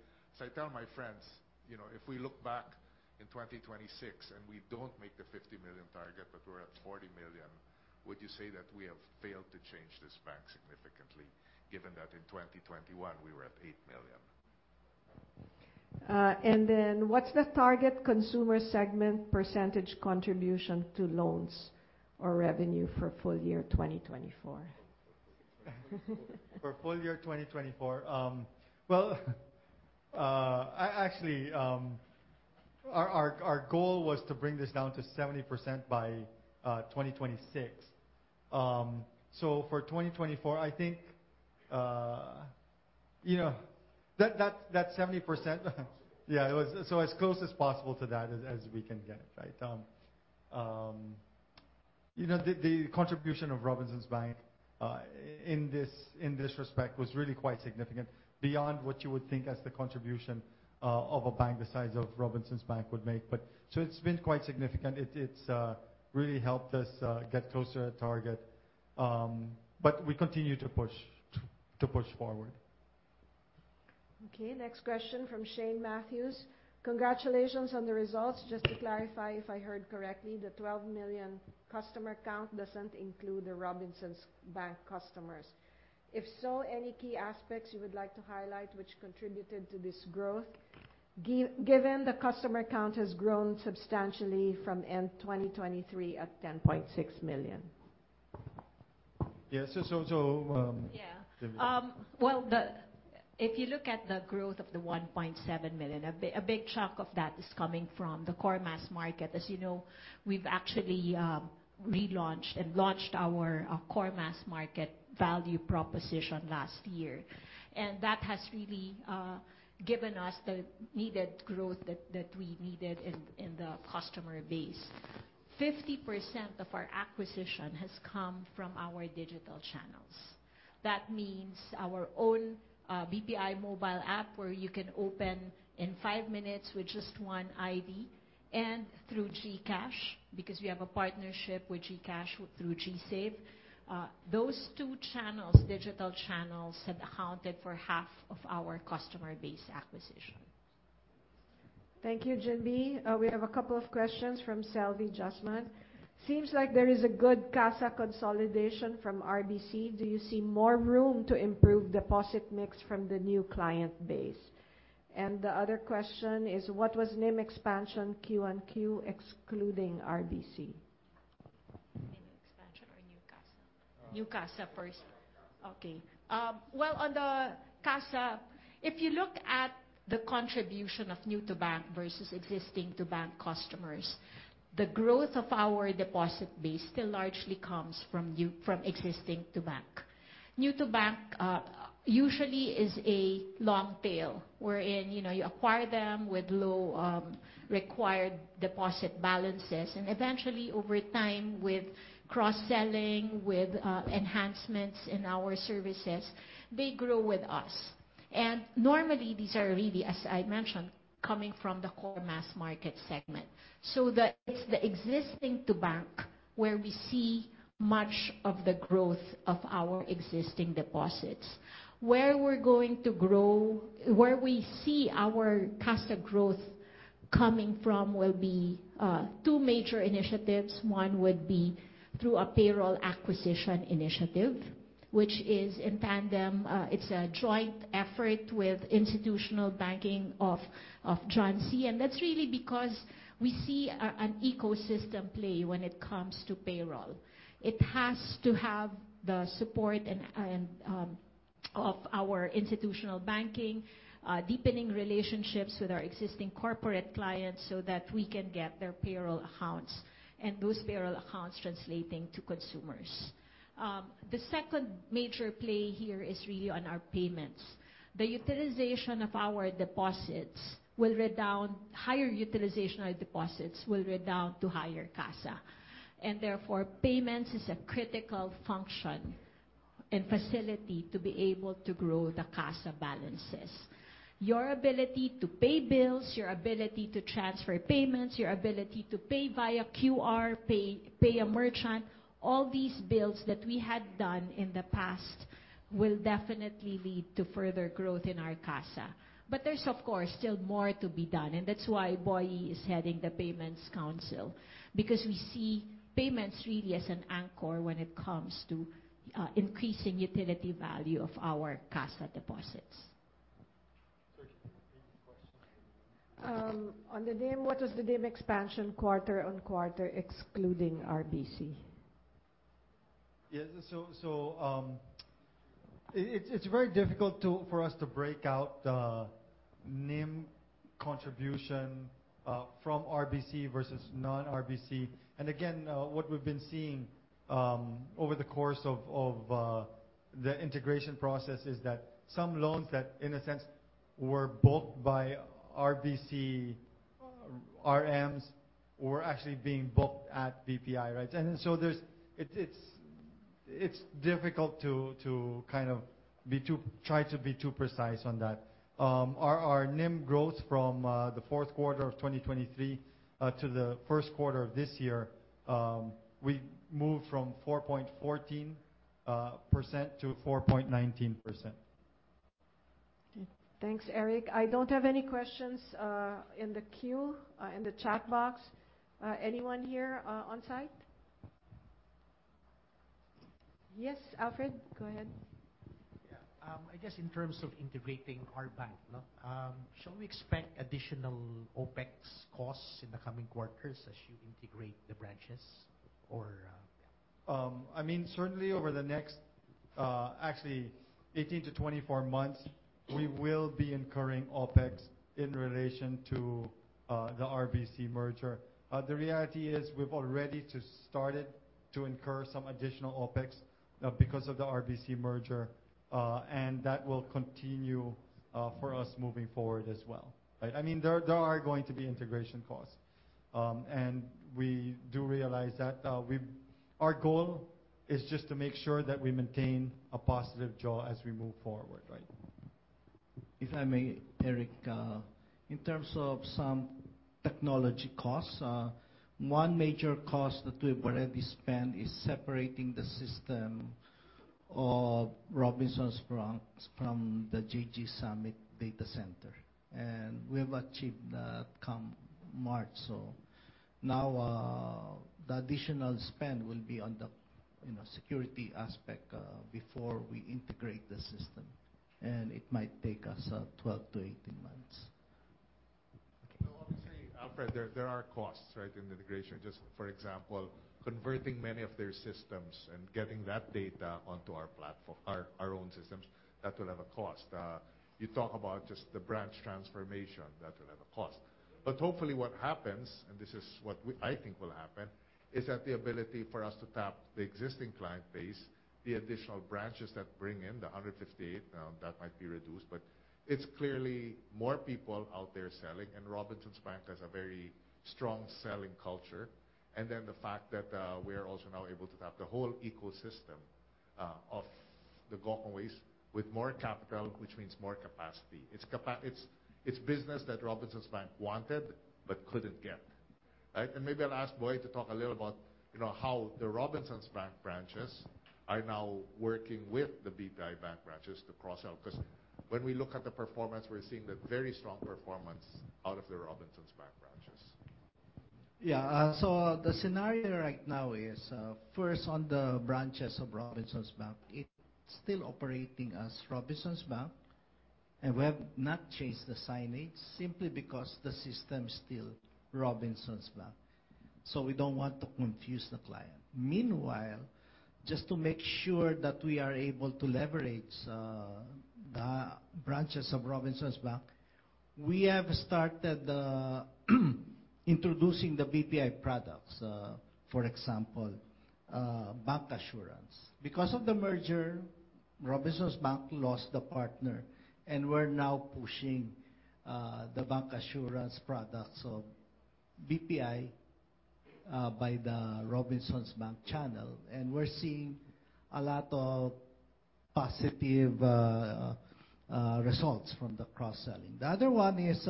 tell my friends, you know, if we look back in 2026 and we don't make the 50 million target, but we're at 40 million, would you say that we have failed to change this bank significantly, given that in 2021 we were at 8 million? What's the target consumer segment percentage contribution to loans or revenue for full year 2024? For full year 2024, well, actually, our goal was to bring this down to 70% by 2026. For 2024, I think, you know, that 70%, yeah, it was to get as close as possible to that as we can get it, right? You know, the contribution of Robinsons Bank in this respect was really quite significant, beyond what you would think as the contribution of a bank the size of Robinsons Bank would make. It's been quite significant. It really helped us get closer to target. We continue to push forward. Okay. Next question from Shane Matthews. Congratulations on the results. Just to clarify, if I heard correctly, the 12 million customer count doesn't include the Robinsons Bank customers. If so, any key aspects you would like to highlight which contributed to this growth given the customer count has grown substantially from end 2023 at 10.6 million? Yes. Yeah. Divina. If you look at the growth of the 1.7 million, a big chunk of that is coming from the core mass market. As you know, we've actually relaunched and launched our core mass market value proposition last year. That has really given us the needed growth that we needed in the customer base. 50% of our acquisition has come from our digital channels. That means our own BPI mobile app, where you can open in 5 minutes with just one ID and through GCash, because we have a partnership with GCash through GSave. Those two channels, digital channels, have accounted for half of our customer base acquisition. Thank you, Ginbee Go. We have a couple of questions from Selvi Jasmine. Seems like there is a good CASA consolidation from RBC. Do you see more room to improve deposit mix from the new client base? The other question is what was NIM expansion Q-on-Q excluding RBC? NIM expansion or new CASA? New CASA first. Okay. Well, on the CASA, if you look at the contribution of new to bank versus existing to bank customers, the growth of our deposit base still largely comes from existing to bank. New to bank usually is a long tail, wherein, you know, you acquire them with low required deposit balances. Eventually, over time, with cross-selling, with enhancements in our services, they grow with us. Normally, these are really, as I mentioned, coming from the core mass market segment. It's the existing to bank where we see much of the growth of our existing deposits. Where we see our CASA growth coming from will be two major initiatives. One would be through a payroll acquisition initiative, which is in tandem, it's a joint effort with institutional banking of John C. Syquia. That's really because we see an ecosystem play when it comes to payroll. It has to have the support and of our institutional banking, deepening relationships with our existing corporate clients so that we can get their payroll accounts, and those payroll accounts translating to consumers. The second major play here is really on our payments. Higher utilization of deposits will redound to higher CASA, and therefore, payments is a critical function and facility to be able to grow the CASA balances. Your ability to pay bills, your ability to transfer payments, your ability to pay via QR, pay a merchant, all these bills that we had done in the past will definitely lead to further growth in our CASA. There's, of course, still more to be done, and that's why Boy is heading the Payment Council. Because we see payments really as an anchor when it comes to increasing utility value of our CASA deposits. Sir, can you repeat the question? On the NIM, what was the NIM expansion quarter-on-quarter excluding RBC? Yes. It's very difficult for us to break out the NIM contribution from RBC versus non-RBC. Again, what we've been seeing over the course of the integration process is that some loans that, in a sense, were booked by RBC RMs were actually being booked at BPI, right? It's difficult to kind of try to be too precise on that. Our NIM growth from the fourth quarter of 2023 to the first quarter of this year, we moved from 4.14% to 4.19%. Okay. Thanks, Eric. I don't have any questions in the queue in the chat box. Anyone here on-site? Yes, Alfred, go ahead. Yeah. I guess in terms of integrating our bank, no? Shall we expect additional OpEx costs in the coming quarters as you integrate the branches or... I mean, certainly over the next, actually 18-24 months, we will be incurring OpEx in relation to the RBC merger. The reality is, we've already started to incur some additional OpEx because of the RBC merger. That will continue for us moving forward as well, right? I mean, there are going to be integration costs. We do realize that. Our goal is just to make sure that we maintain a positive jaws as we move forward, right? If I may, Eric, in terms of some technology costs, one major cost that we've already spent is separating the system of Robinsons Bank from the JG Summit data center. We have achieved that come March. Now, the additional spend will be on the, you know, security aspect, before we integrate the system, and it might take us 12-18 months. Okay. Obviously, Alfred, there are costs, right, in integration. Just for example, converting many of their systems and getting that data onto our own systems, that will have a cost. You talk about just the branch transformation, that will have a cost. Hopefully what happens, and this is what I think will happen, is that the ability for us to tap the existing client base, the additional branches that bring in, the 158, that might be reduced. It's clearly more people out there selling, and Robinsons Bank has a very strong selling culture. Then the fact that we are also now able to tap the whole ecosystem of. The Gokongweis with more capital, which means more capacity. It's business that Robinsons Bank wanted, but couldn't get. Right? Maybe I'll ask Boy to talk a little about, you know, how the Robinsons Bank branches are now working with the BPI Bank branches to cross-sell. 'Cause when we look at the performance, we're seeing the very strong performance out of the Robinsons Bank branches. The scenario right now is, first, on the branches of Robinsons Bank, it's still operating as Robinsons Bank. We have not changed the signage simply because the system is still Robinsons Bank, so we don't want to confuse the client. Meanwhile, just to make sure that we are able to leverage the branches of Robinsons Bank, we have started introducing the BPI products. For example, bancassurance. Because of the merger, Robinsons Bank lost a partner, and we're now pushing the bancassurance products of BPI by the Robinsons Bank channel. We're seeing a lot of positive results from the cross-selling. The other one is,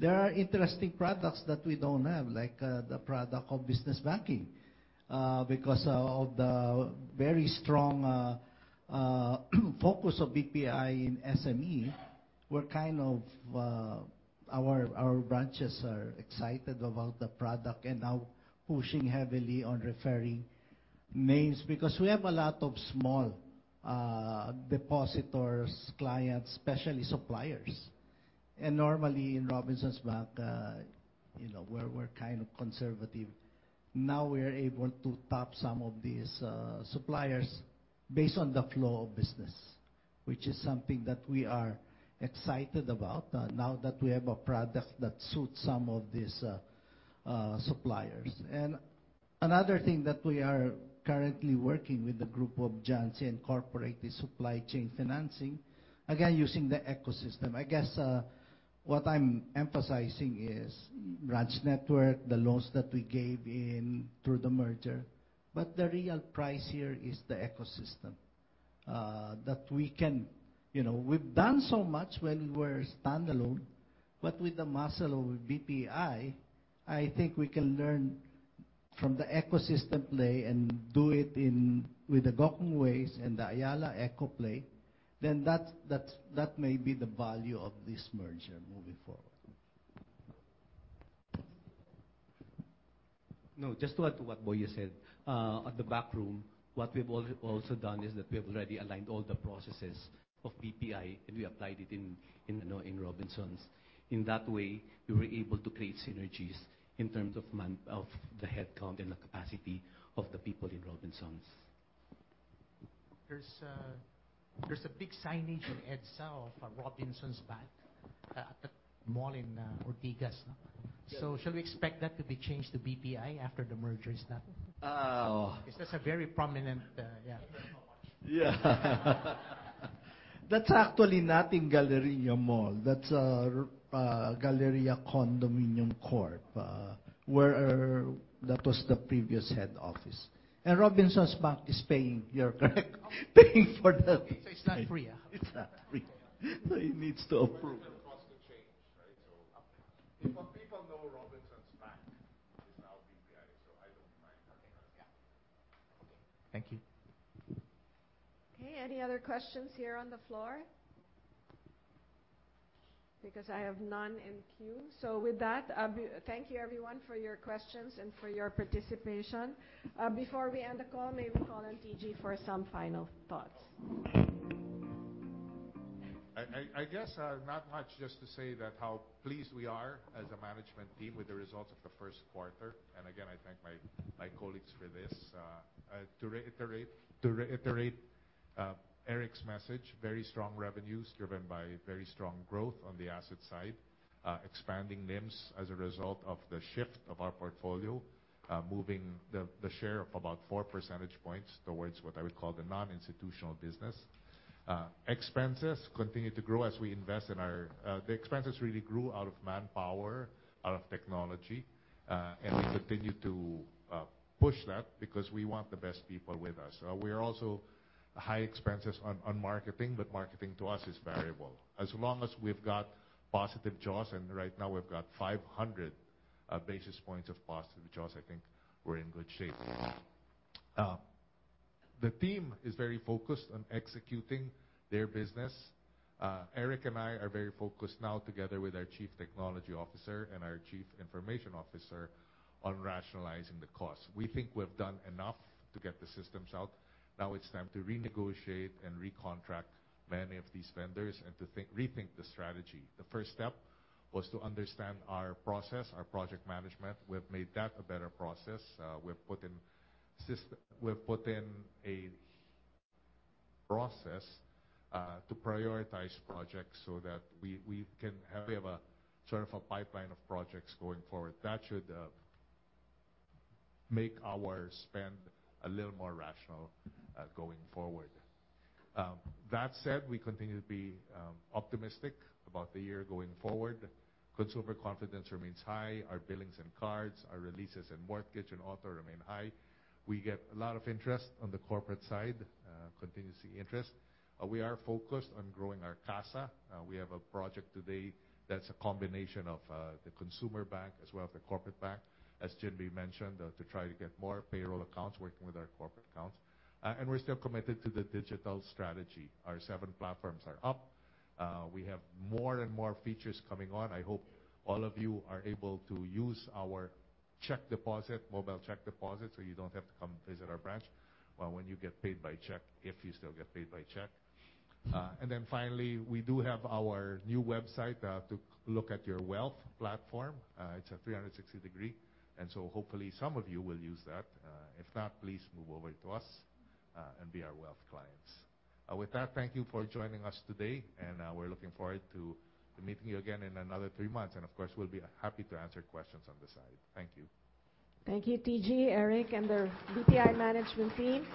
there are interesting products that we don't have, like the product of business banking. Because of the very strong focus of BPI in SME, we're kind of our branches are excited about the product and now pushing heavily on referring names. Because we have a lot of small depositors, clients, especially suppliers. Normally in Robinsons Bank, you know, we're kind of conservative. Now we are able to tap some of these suppliers based on the flow of business, which is something that we are excited about, now that we have a product that suits some of these suppliers. Another thing that we are currently working with the group of John C. Syquia and corporate is supply chain financing. Again, using the ecosystem. I guess what I'm emphasizing is branch network, the loans that we gained through the merger. The real prize here is the ecosystem that we can. You know, we've done so much when we were standalone, but with the muscle of BPI, I think we can learn from the ecosystem play and do it with the Gokongwei's and the Ayala ecosystem play, then that may be the value of this merger moving forward. No, just to add to what Boy said. At the back room, what we've also done is that we've already aligned all the processes of BPI, and we applied it in you know in Robinsons. In that way, we were able to create synergies in terms of the headcount and the capacity of the people in Robinsons. There's a big signage in EDSA of Robinsons Bank at the mall in Ortigas, no? Yes. Shall we expect that to be changed to BPI after the merger is done? Uh. It's just a very prominent, yeah. Yeah. That's actually not in Galleria Mall. That's Galleria Condominium Corp, where that was the previous head office. Robinsons Bank is paying for the- It's not free. It's not free. It needs to approve. It doesn't cost to change, right? If people know Robinsons Bank is now BPI, so I don't mind that. Okay. Yeah. Okay. Thank you. Okay. Any other questions here on the floor? Because I have none in queue. With that, thank you everyone for your questions and for your participation. Before we end the call, may we call on TG for some final thoughts. I guess not much, just to say that how pleased we are as a management team with the results of the first quarter. Again, I thank my colleagues for this. To reiterate Eric's message, very strong revenues driven by very strong growth on the asset side. Expanding NIMs as a result of the shift of our portfolio, moving the share of about 4 percentage points towards what I would call the non-institutional business. Expenses continue to grow as we invest in our. The expenses really grew out of manpower, out of technology. We continue to push that because we want the best people with us. We also have high expenses on marketing, but marketing to us is variable. As long as we've got positive jaws, and right now we've got 500 basis points of positive jaws, I think we're in good shape. The team is very focused on executing their business. Eric and I are very focused now together with our Chief Technology Officer and our Chief Information Officer on rationalizing the cost. We think we've done enough to get the systems out. Now it's time to renegotiate and recontract many of these vendors and to rethink the strategy. The first step was to understand our process, our project management. We've made that a better process. We've put in a process to prioritize projects so that we can have a sort of a pipeline of projects going forward. That should make our spend a little more rational going forward. That said, we continue to be optimistic about the year going forward. Consumer confidence remains high. Our billings and cards, our releases and mortgages and auto remain high. We get a lot of interest on the corporate side, continuous interest. We are focused on growing our CASA. We have a project today that's a combination of the consumer bank as well as the corporate bank. As Ginbee Go mentioned, to try to get more payroll accounts working with our corporate accounts. We're still committed to the digital strategy. Our seven platforms are up. We have more and more features coming on. I hope all of you are able to use our check deposit, mobile check deposit, so you don't have to come visit our branch when you get paid by check, if you still get paid by check. Finally, we do have our new website to look at your wealth platform. It's a 360-degree. Hopefully, some of you will use that. If not, please move over to us and be our wealth clients. With that, thank you for joining us today, and we're looking forward to meeting you again in another three months. Of course, we'll be happy to answer your questions on the side. Thank you. Thank you, TG, Eric, and their BPI management team.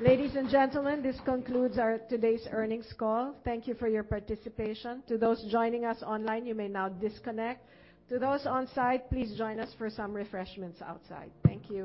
Ladies and gentlemen, this concludes our today's earnings call. Thank you for your participation. To those joining us online, you may now disconnect. To those on site, please join us for some refreshments outside. Thank you.